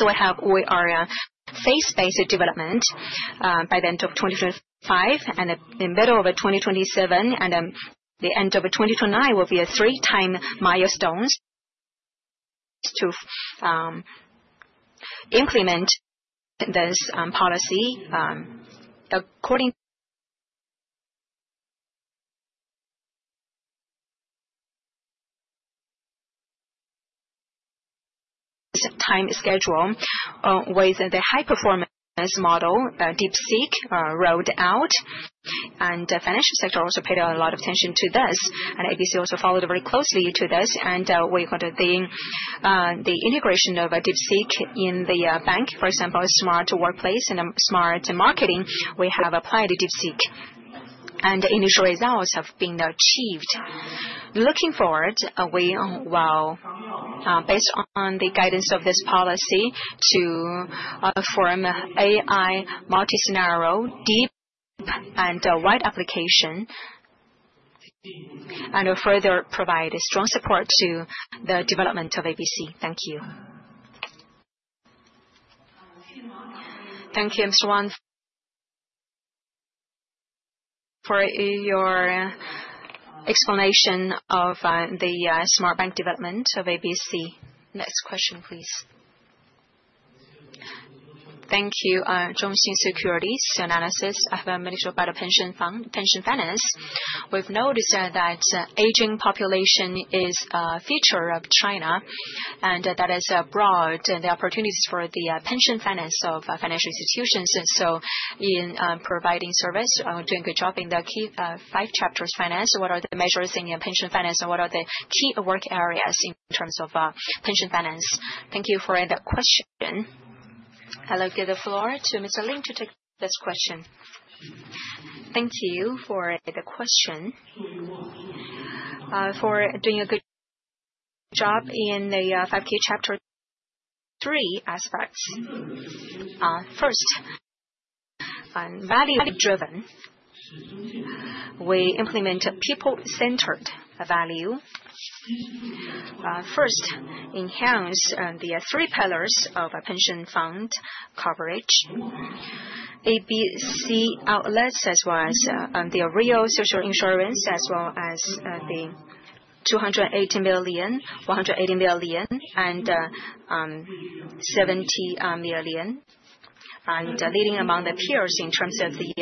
We have our phase-based development. By the end of 2025, the middle of 2027, and the end of 2029 will be three milestones to implement this policy. According to the time schedule, with the high-performance model, DeepSeek rolled out and the financial sector also paid a lot of attention to this. ABC also followed very closely to this. We have the integration of DeepSeek in the bank, for example, smart workplace and smart marketing. We have applied DeepSeek, and the initial results have been achieved. Looking forward, we will, based on the guidance of this policy, form AI multi-scenario, deep and wide application, and further provide strong support to the development of ABC. Thank you. Thank you, Mr. Wang, for your explanation of the smart bank development of ABC. Next question, please. Thank you. Zhongxing Securities Analysis. I have a major part of pension finance. We've noticed that aging population is a feature of China, and that is broad in the opportunities for the pension finance of financial institutions. In providing service, doing a good job in the key five chapters finance, what are the measures in pension finance, and what are the key work areas in terms of pension finance? Thank you for the question. I'll give the floor to Mr. Lin to take this question. Thank you for the question. For doing a good job in the 5K chapter three aspects. First, value-driven. We implement people-centered value. First, enhance the three pillars of pension fund coverage, ABC outlets, as well as the real social insurance, as well as the 280 million, 180 million, and 70 million. Leading among the peers in terms of the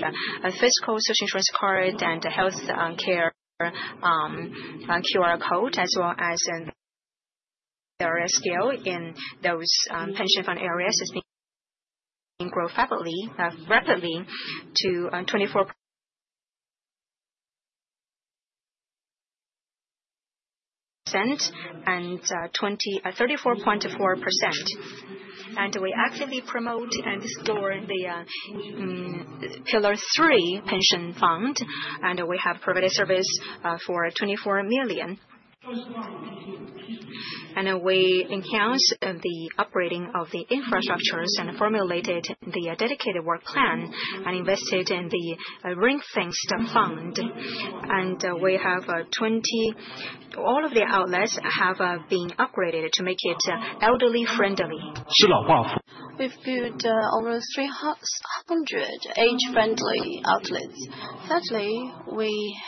fiscal social insurance card and healthcare QR code, as well as the area scale in those pension fund areas, has been growing rapidly to 24% and 34.4%. We actively promote and store the pillar three pension fund, and we have provided service for 24 million. We enhanced the operating of the infrastructures and formulated the dedicated work plan and invested in the ring-fenced fund. We have 20, all of the outlets have been upgraded to make it elderly-friendly. We have built almost 300 age-friendly outlets. Thirdly, we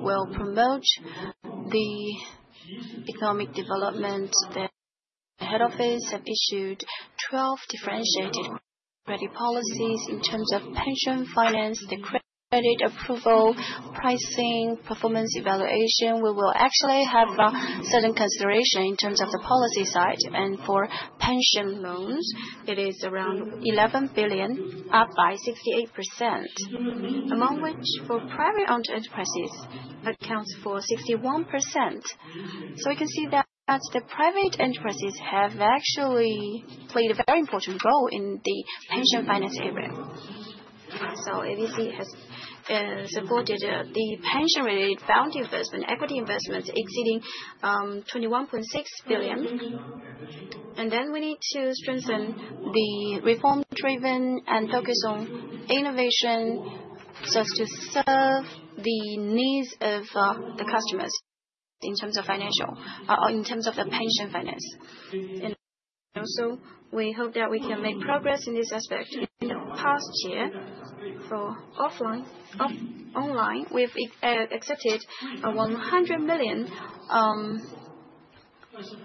will promote the economic development. The head office have issued 12 differentiated credit policies in terms of pension finance, the credit approval, pricing, performance evaluation. We will actually have certain consideration in terms of the policy side. For pension loans, it is around 11 billion, up by 68%, among which for private-owned enterprises accounts for 61%. We can see that the private enterprises have actually played a very important role in the pension finance area. ABC has supported the pension-related fund investment, equity investments, exceeding 21.6 billion. We need to strengthen the reform-driven and focus on innovation just to serve the needs of the customers in terms of financial, in terms of the pension finance. We hope that we can make progress in this aspect. In the past year, for offline, online, we've accepted 100 million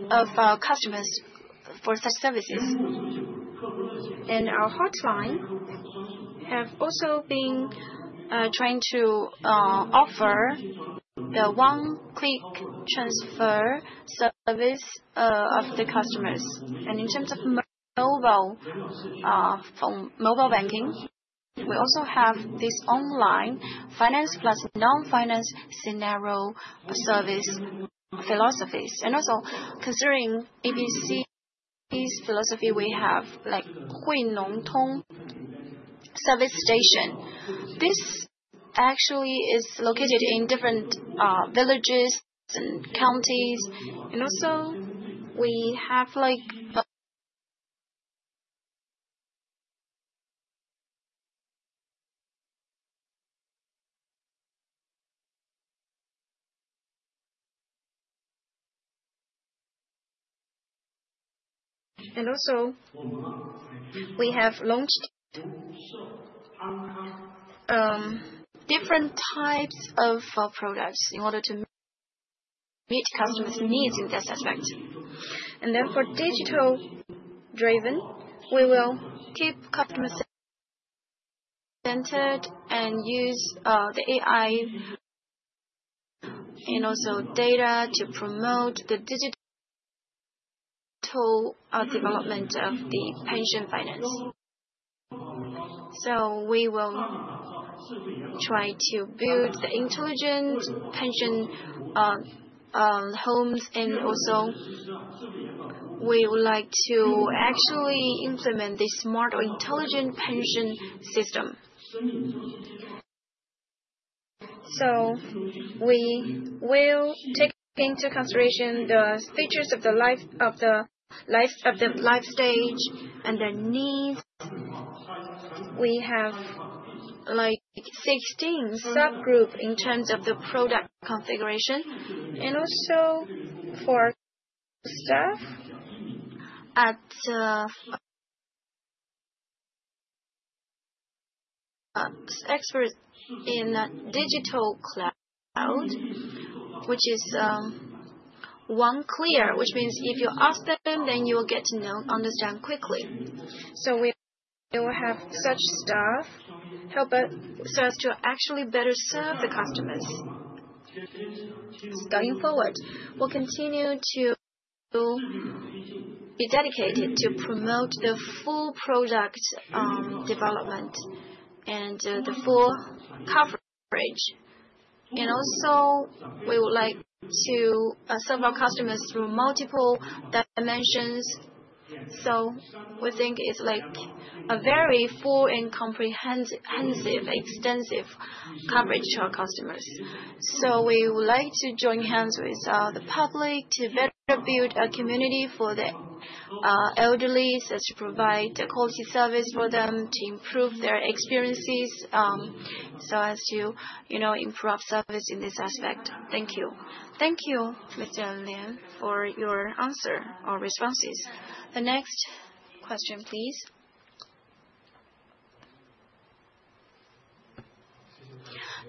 of customers for such services. Our hotline has also been trying to offer the one-click transfer service for the customers. In terms of mobile banking, we also have this online finance plus non-finance scenario service philosophies. Also, considering Agricultural Bank of China's philosophy, we have Huilongtong service station. This actually is located in different villages and counties. We have launched different types of products in order to meet customers' needs in this aspect. For digital-driven, we will keep customers centered and use AI and also data to promote the digital development of the pension finance. We will try to build the intelligent pension homes, and we would like to actually implement this smart or intelligent pension system. We will take into consideration the features of the life stage and the needs. We have 16 subgroups in terms of the product configuration. Also, for staff and experts in digital cloud, which is one clear, which means if you ask them, then you will get to understand quickly. We will have such staff help us to actually better serve the customers. Going forward, we will continue to be dedicated to promote the full product development and the full coverage. We would like to serve our customers through multiple dimensions. We think it is a very full and comprehensive, extensive coverage to our customers. We would like to join hands with the public to better build a community for the elderly, to provide quality service for them, to improve their experiences, so as to improve service in this aspect. Thank you. Thank you, Mr. Lin, for your answer or responses. The next question, please.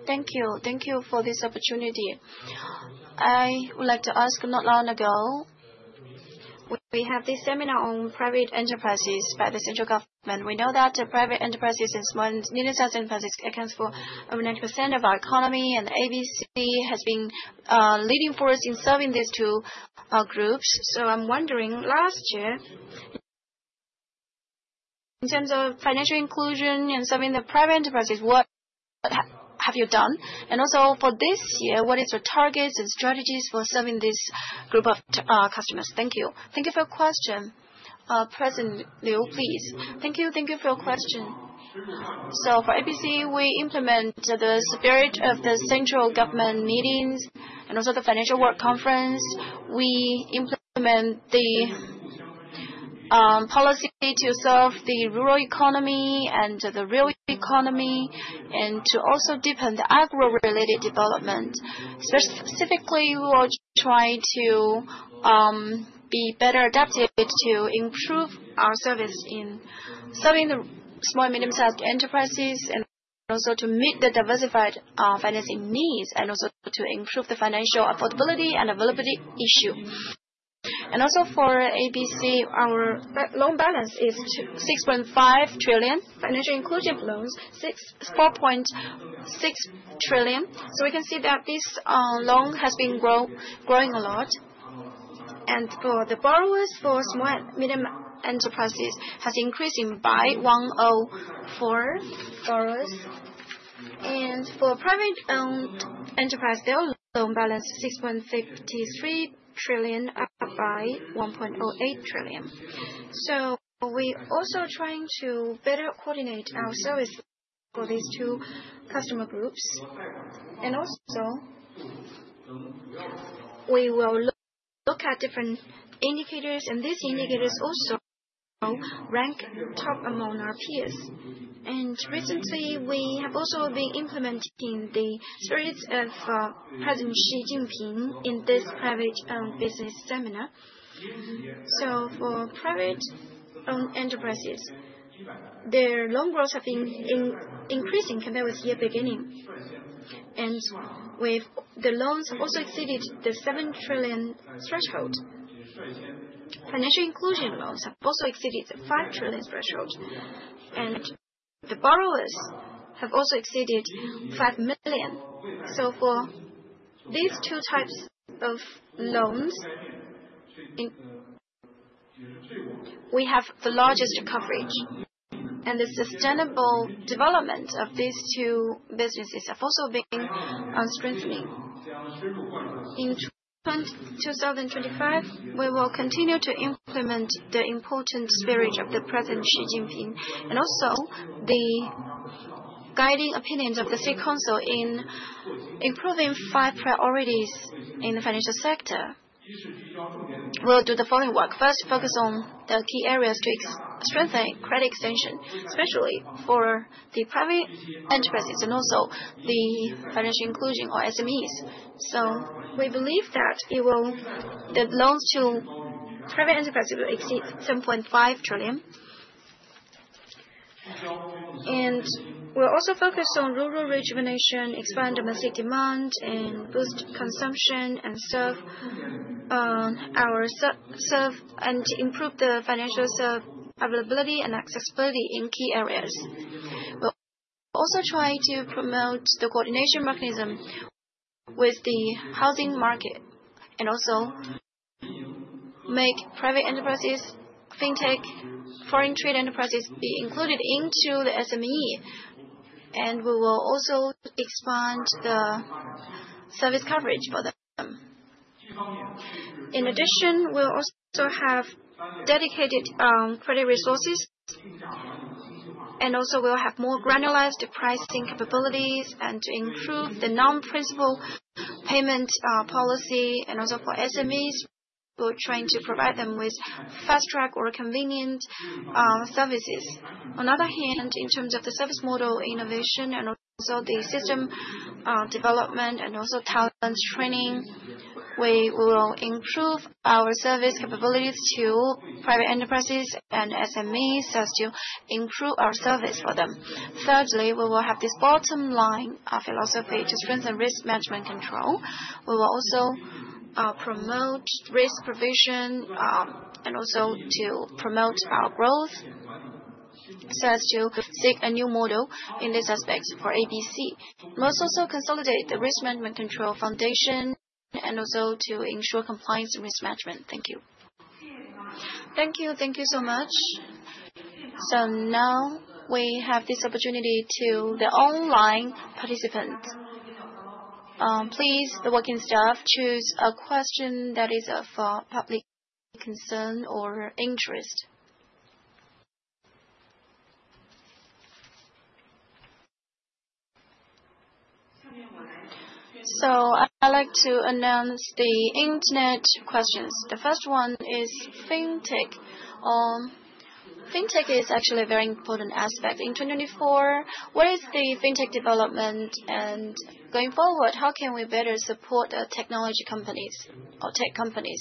Thank you. Thank you for this opportunity. I would like to ask not long ago, we have this seminar on private enterprises by the central government. We know that private enterprises and small mid-sized enterprises account for 90% of our economy, and ABC has been leading for us in serving these two groups. I'm wondering, last year, in terms of financial inclusion and serving the private enterprises, what have you done? Also for this year, what is your targets and strategies for serving this group of customers? Thank you. Thank you for your question. President Liu, please. Thank you. Thank you for your question. For ABC, we implement the spirit of the central government meetings and also the financial work conference. We implement the policy to serve the rural economy and the real economy and to also deepen the agro-related development. Specifically, we will try to be better adapted to improve our service in serving the small and medium-sized enterprises and also to meet the diversified financing needs and also to improve the financial affordability and availability issue. For ABC, our loan balance is 6.5 trillion. Financial inclusion loans, 4.6 trillion. We can see that this loan has been growing a lot. For the borrowers for small and medium enterprises, it has increased by 104 borrowers. For private-owned enterprise, their loan balance is 6.53 trillion by 1.08 trillion. We are also trying to better coordinate our service for these two customer groups. We will look at different indicators, and these indicators also rank top among our peers. Recently, we have also been implementing the spirit of President Xi Jinping in this private-owned business seminar. For private-owned enterprises, their loan growth has been increasing compared with year beginning. The loans have also exceeded the 7 trillion threshold. Financial inclusion loans have also exceeded the 5 trillion threshold. The borrowers have also exceeded 5 million. For these two types of loans, we have the largest coverage. The sustainable development of these two businesses has also been strengthening. In 2025, we will continue to implement the important spirit of President Xi Jinping and also the guiding opinions of the State Council in improving five priorities in the financial sector. We'll do the following work. First, focus on the key areas to strengthen credit extension, especially for the private enterprises and also the financial inclusion or SMEs. We believe that the loans to private enterprises will exceed 7.5 trillion. We will also focus on rural rejuvenation, expand domestic demand, and boost consumption and serve and improve the financial availability and accessibility in key areas. We will also try to promote the coordination mechanism with the housing market and also make private enterprises, fintech, foreign trade enterprises be included into the SME. We will also expand the service coverage for them. In addition, we will also have dedicated credit resources. We will have more granulized pricing capabilities and improve the non-principal payment policy and also for SMEs, we are trying to provide them with fast-track or convenient services. On the other hand, in terms of the service model innovation and also the system development and talent training, we will improve our service capabilities to private enterprises and SMEs just to improve our service for them. Thirdly, we will have this bottom line philosophy to strengthen risk management control. We will also promote risk provision and also to promote our growth so as to seek a new model in this aspect for Agricultural Bank of China. We will also consolidate the risk management control foundation and also to ensure compliance and risk management. Thank you. Thank you. Thank you so much. Now we have this opportunity to the online participants. Please, the working staff, choose a question that is of public concern or interest. I would like to announce the internet questions. The first one is fintech. Fintech is actually a very important aspect. In 2024, what is the fintech development? Going forward, how can we better support technology companies or tech companies?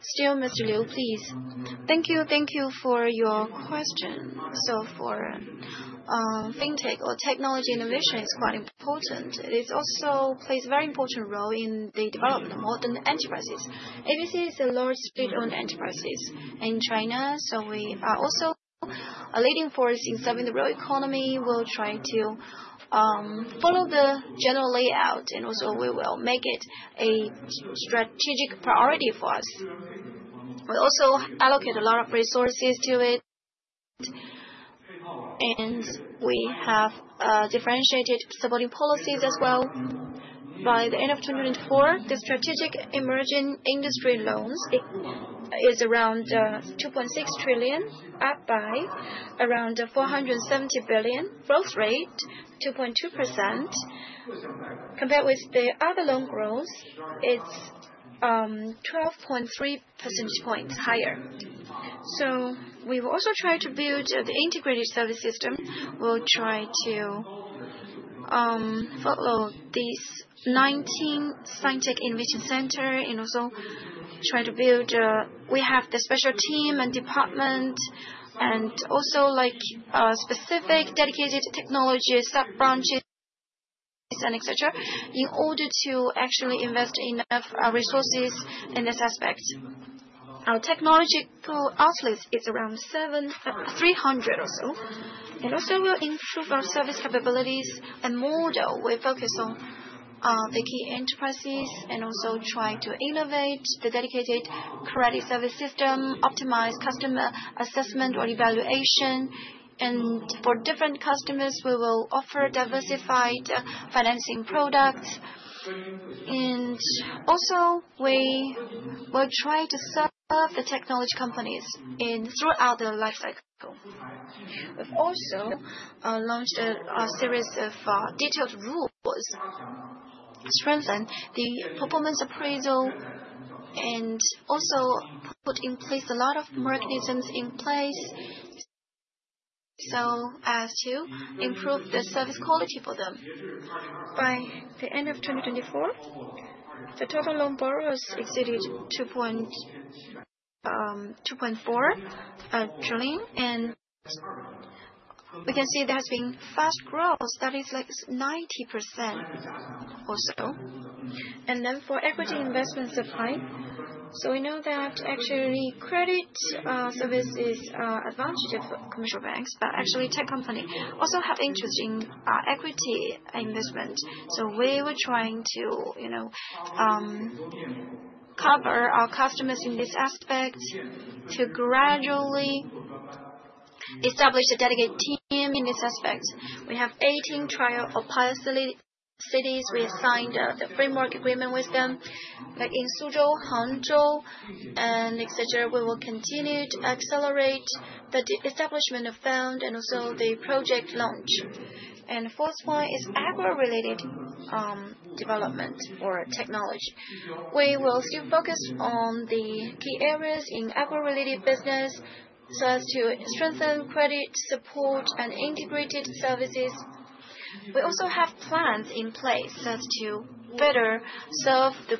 Still, Mr. Liu, please. Thank you. Thank you for your question. For fintech or technology innovation, it is quite important. It also plays a very important role in the development of modern enterprises. ABC is a large state-owned enterprise in China, so we are also a leading force in serving the real economy. We will try to follow the general layout, and also we will make it a strategic priority for us. We also allocate a lot of resources to it, and we have differentiated supporting policies as well. By the end of 2024, the strategic emerging industry loans is around 2.6 trillion, up by around 470 billion. Growth rate is 2.2%. Compared with the other loan growth, it is 12.3 percentage points higher. We will also try to build the integrated service system. We will try to follow these 19 scientific innovation centers and also try to build. We have the special team and department and also specific dedicated technology sub-branches and etc. in order to actually invest enough resources in this aspect. Our technological outlet is around 300 or so. We will also improve our service capabilities and model. We focus on the key enterprises and also try to innovate the dedicated credit service system, optimize customer assessment or evaluation. For different customers, we will offer diversified financing products. We will try to serve the technology companies throughout the life cycle. We have also launched a series of detailed rules, strengthened the performance appraisal, and also put in place a lot of mechanisms in place so as to improve the service quality for them. By the end of 2024, the total loan borrowers exceeded 2.4 trillion. We can see there has been fast growth. That is like 90% or so. For equity investment supply, we know that actually credit service is advantageous for commercial banks, but actually tech companies also have interest in equity investment. We were trying to cover our customers in this aspect to gradually establish a dedicated team in this aspect. We have 18 trial or pilot cities. We have signed the framework agreement with them. In Suzhou, Hangzhou, and etc., we will continue to accelerate the establishment of fund and also the project launch. The fourth one is agro-related development or technology. We will still focus on the key areas in agro-related business so as to strengthen credit support and integrated services. We also have plans in place so as to better serve the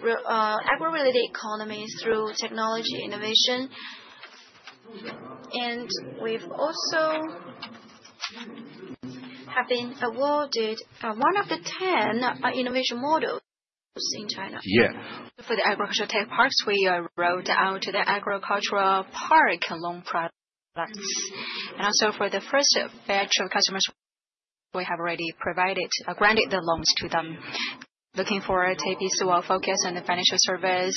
agro-related economy through technology innovation. We have also been awarded one of the 10 innovation models in China. For the agriculture tech parks, we rolled out the agricultural park loan products. Also for the first batch of customers, we have already granted the loans to them. Looking forward to be so well-focused on the financial service,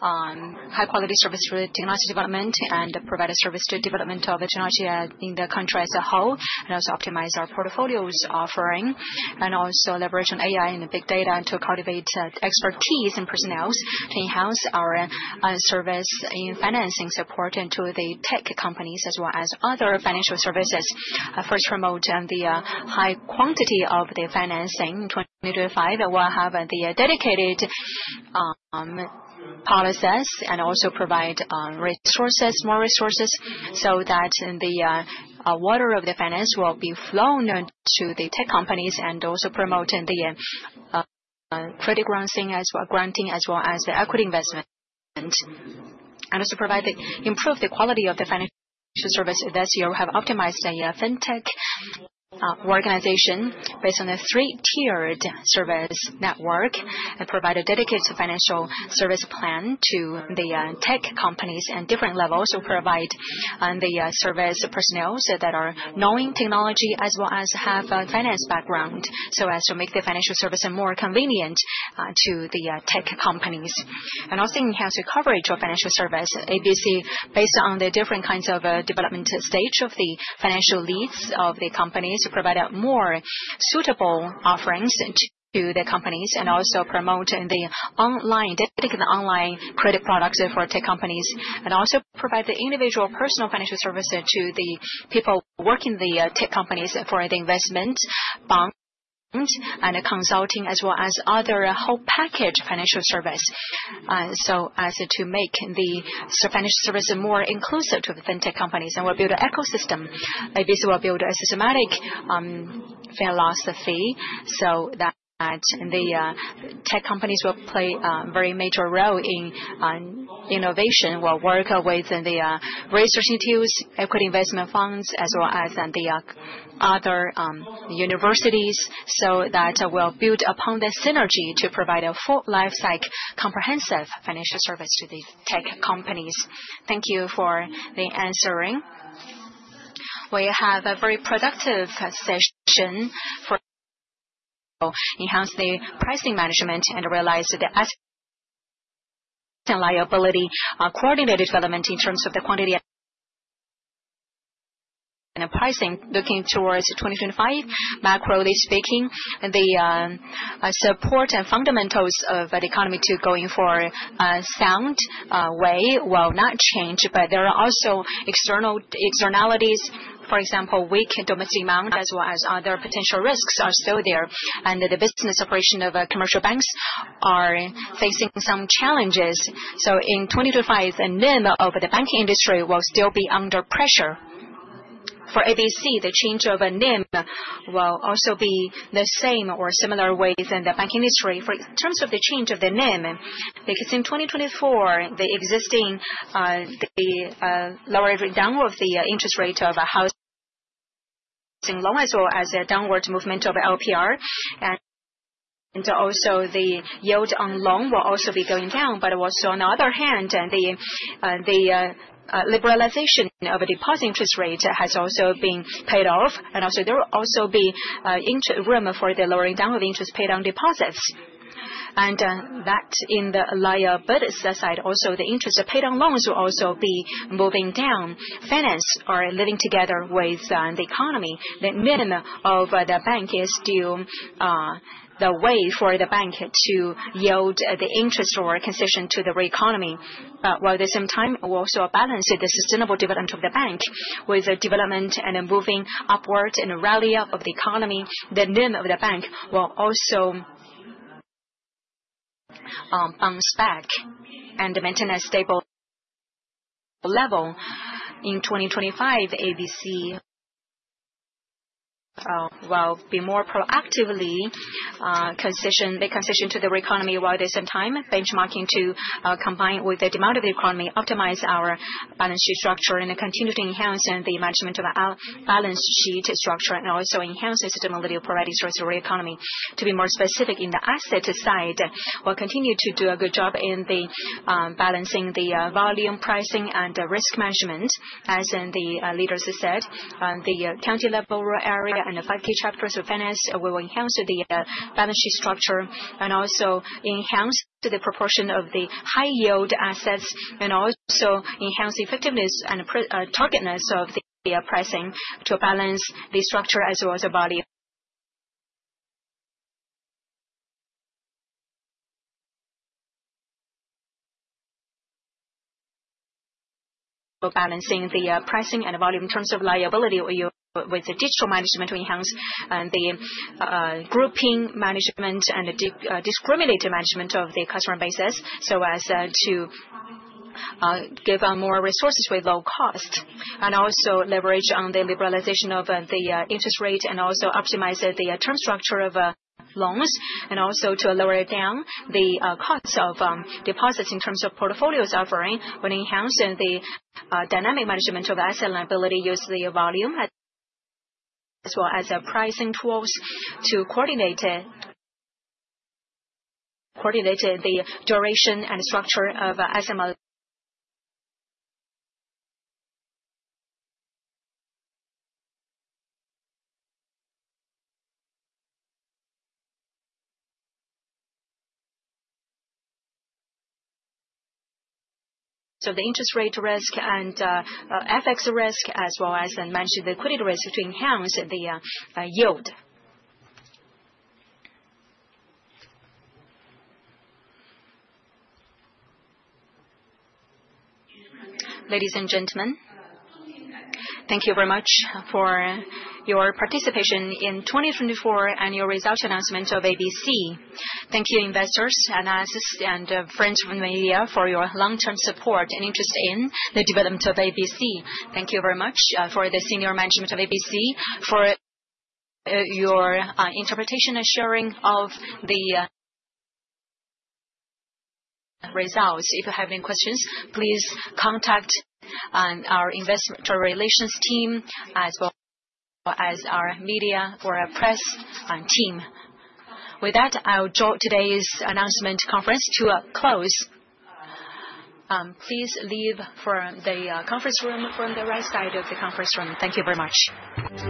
high-quality service-related technology development, and provide a service to development of the technology in the country as a whole and also optimize our portfolio's offering. Also leverage on AI and the big data to cultivate expertise and personnels to enhance our service in financing support and to the tech companies as well as other financial services. First, promote the high quantity of the financing. In 2025, we'll have the dedicated policies and also provide more resources so that the water of the finance will be flown to the tech companies and also promote the credit granting as well as the equity investment. Also improve the quality of the financial service. This year, we have optimized the fintech organization based on a three-tiered service network and provide a dedicated financial service plan to the tech companies and different levels to provide the service personnels that are knowing technology as well as have a finance background so as to make the financial service more convenient to the tech companies. We also enhance the coverage of financial service. ABC, based on the different kinds of development stage of the financial needs of the companies, provide more suitable offerings to the companies and also promote the online dedicated online credit products for tech companies. We also provide the individual personal financial services to the people working in the tech companies for the investment, bank, and consulting as well as other whole package financial service so as to make the financial service more inclusive to the fintech companies. We will build an ecosystem. ABC will build a systematic philosophy so that the tech companies will play a very major role in innovation. We'll work with the research institute, equity investment funds, as well as the other universities so that we'll build upon the synergy to provide a full lifecycle comprehensive financial service to the tech companies. Thank you for the answering. We have a very productive session for enhancing the pricing management and realize the assets and liability coordinated development in terms of the quantity and pricing looking towards 2025. Macro speaking, the support and fundamentals of the economy to going for a sound way will not change, but there are also externalities. For example, weak domestic demand as well as other potential risks are still there. The business operation of commercial banks are facing some challenges. In 2025, the NIM of the banking industry will still be under pressure. For ABC, the change of NIM will also be the same or similar within the banking industry. In terms of the change of the NIM, because in 2024, the existing lower downward the interest rate of housing loans as well as the downward movement of LPR and also the yield on loan will also be going down. On the other hand, the liberalization of a deposit interest rate has also been paid off. There will also be room for the lowering down of interest paid on deposits. In the liabilities side, also the interest of paid on loans will also be moving down. Finance are living together with the economy. The minimum of the bank is still the way for the bank to yield the interest or concession to the economy. While at the same time, we'll also balance the sustainable development of the bank with the development and moving upward and rally up of the economy. The NIM of the bank will also bounce back and maintain a stable level. In 2025, ABC will be more proactively concession to the economy while at the same time benchmarking to combine with the demand of the economy, optimize our balance sheet structure and continue to enhance the management of our balance sheet structure and also enhance the sustainability of providing service to the real economy. To be more specific in the asset side, we'll continue to do a good job in balancing the volume, pricing, and risk management. As the leaders said, the county level area and the 5K chapters of finance will enhance the balance sheet structure and also enhance the proportion of the high-yield assets and also enhance the effectiveness and targetness of the pricing to balance the structure as well as the volume. Balancing the pricing and volume in terms of liability with the digital management to enhance the grouping management and discriminate management of the customer bases so as to give more resources with low cost and also leverage on the liberalization of the interest rate and also optimize the term structure of loans and also to lower down the cost of deposits in terms of portfolios offering when enhancing the dynamic management of asset liability using the volume as well as pricing tools to coordinate the duration and structure of assets. The interest rate risk and FX risk as well as managed liquidity risk to enhance the yield. Ladies and gentlemen, thank you very much for your participation in the 2024 annual results announcement of Agricultural Bank of China. Thank you, investors, analysts, and friends from the media for your long-term support and interest in the development of Agricultural Bank of China. Thank you very much for the senior management of Agricultural Bank of China for your interpretation and sharing of the results. If you have any questions, please contact our investor relations team as well as our media or press team. With that, I'll draw today's announcement conference to a close. Please leave from the conference room from the right side of the conference room. Thank you very much.